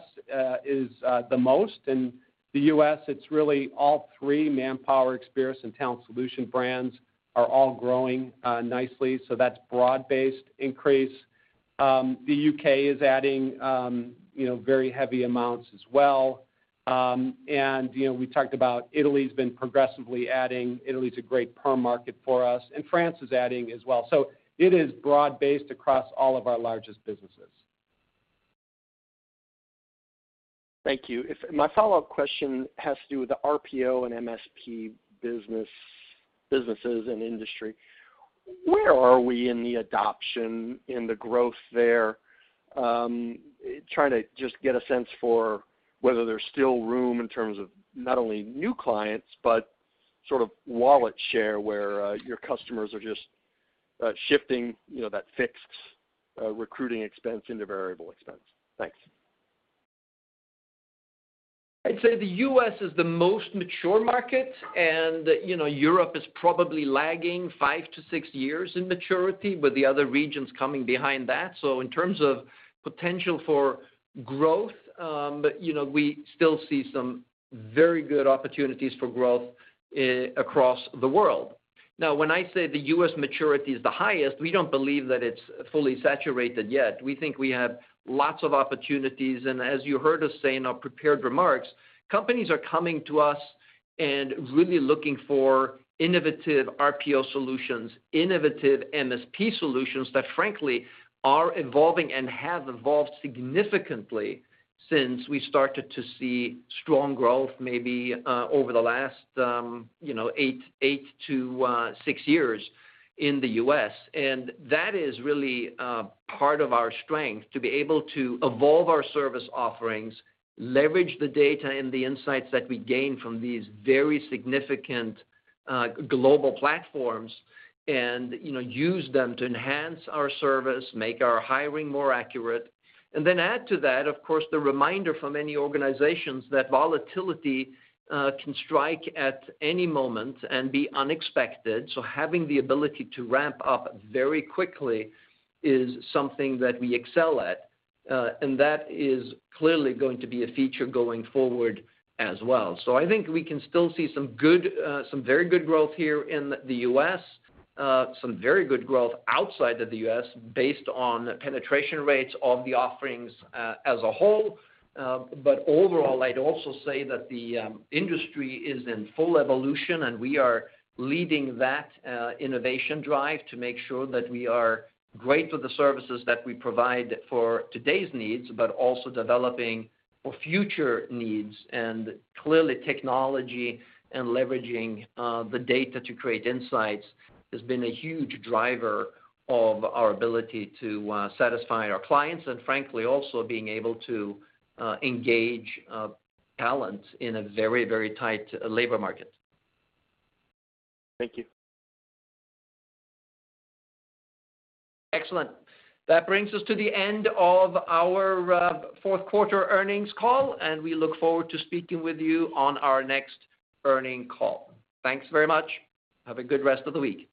is the most. In the U.S., it's really all three Manpower, Experis, and Talent Solutions brands are all growing nicely, so that's broad-based increase. The U.K. is adding, you know, very heavy amounts as well. You know, we talked about Italy's been progressively adding. Italy's a great perm market for us, and France is adding as well. It is broad-based across all of our largest businesses. Thank you. My follow-up question has to do with the RPO and MSP business and industry. Where are we in the adoption, in the growth there? Trying to just get a sense for whether there's still room in terms of not only new clients, but sort of wallet share where, your customers are just, shifting, you know, that fixed, recruiting expense into variable expense. Thanks. I'd say the U.S. is the most mature market and, you know, Europe is probably lagging five to six years in maturity, with the other regions coming behind that. In terms of potential for growth, you know, we still see some very good opportunities for growth across the world. Now, when I say the U.S. maturity is the highest, we don't believe that it's fully saturated yet. We think we have lots of opportunities, and as you heard us say in our prepared remarks, companies are coming to us and really looking for innovative RPO solutions, innovative MSP solutions that frankly are evolving and have evolved significantly since we started to see strong growth, maybe, over the last, you know, eight to six years in the U.S. That is really part of our strength, to be able to evolve our service offerings, leverage the data and the insights that we gain from these very significant global platforms and, you know, use them to enhance our service, make our hiring more accurate. Add to that, of course, the reminder from many organizations that volatility can strike at any moment and be unexpected. Having the ability to ramp up very quickly is something that we excel at, and that is clearly going to be a feature going forward as well. I think we can still see some good, some very good growth here in the U.S., some very good growth outside of the U.S. based on penetration rates of the offerings as a whole. Overall, I'd also say that the industry is in full evolution, and we are leading that innovation drive to make sure that we are great for the services that we provide for today's needs, but also developing for future needs. Clearly, technology and leveraging the data to create insights has been a huge driver of our ability to satisfy our clients and frankly also being able to engage talent in a very, very tight labor market. Thank you. Excellent. That brings us to the end of our fourth quarter earnings call, and we look forward to speaking with you on our next earnings call. Thanks very much. Have a good rest of the week.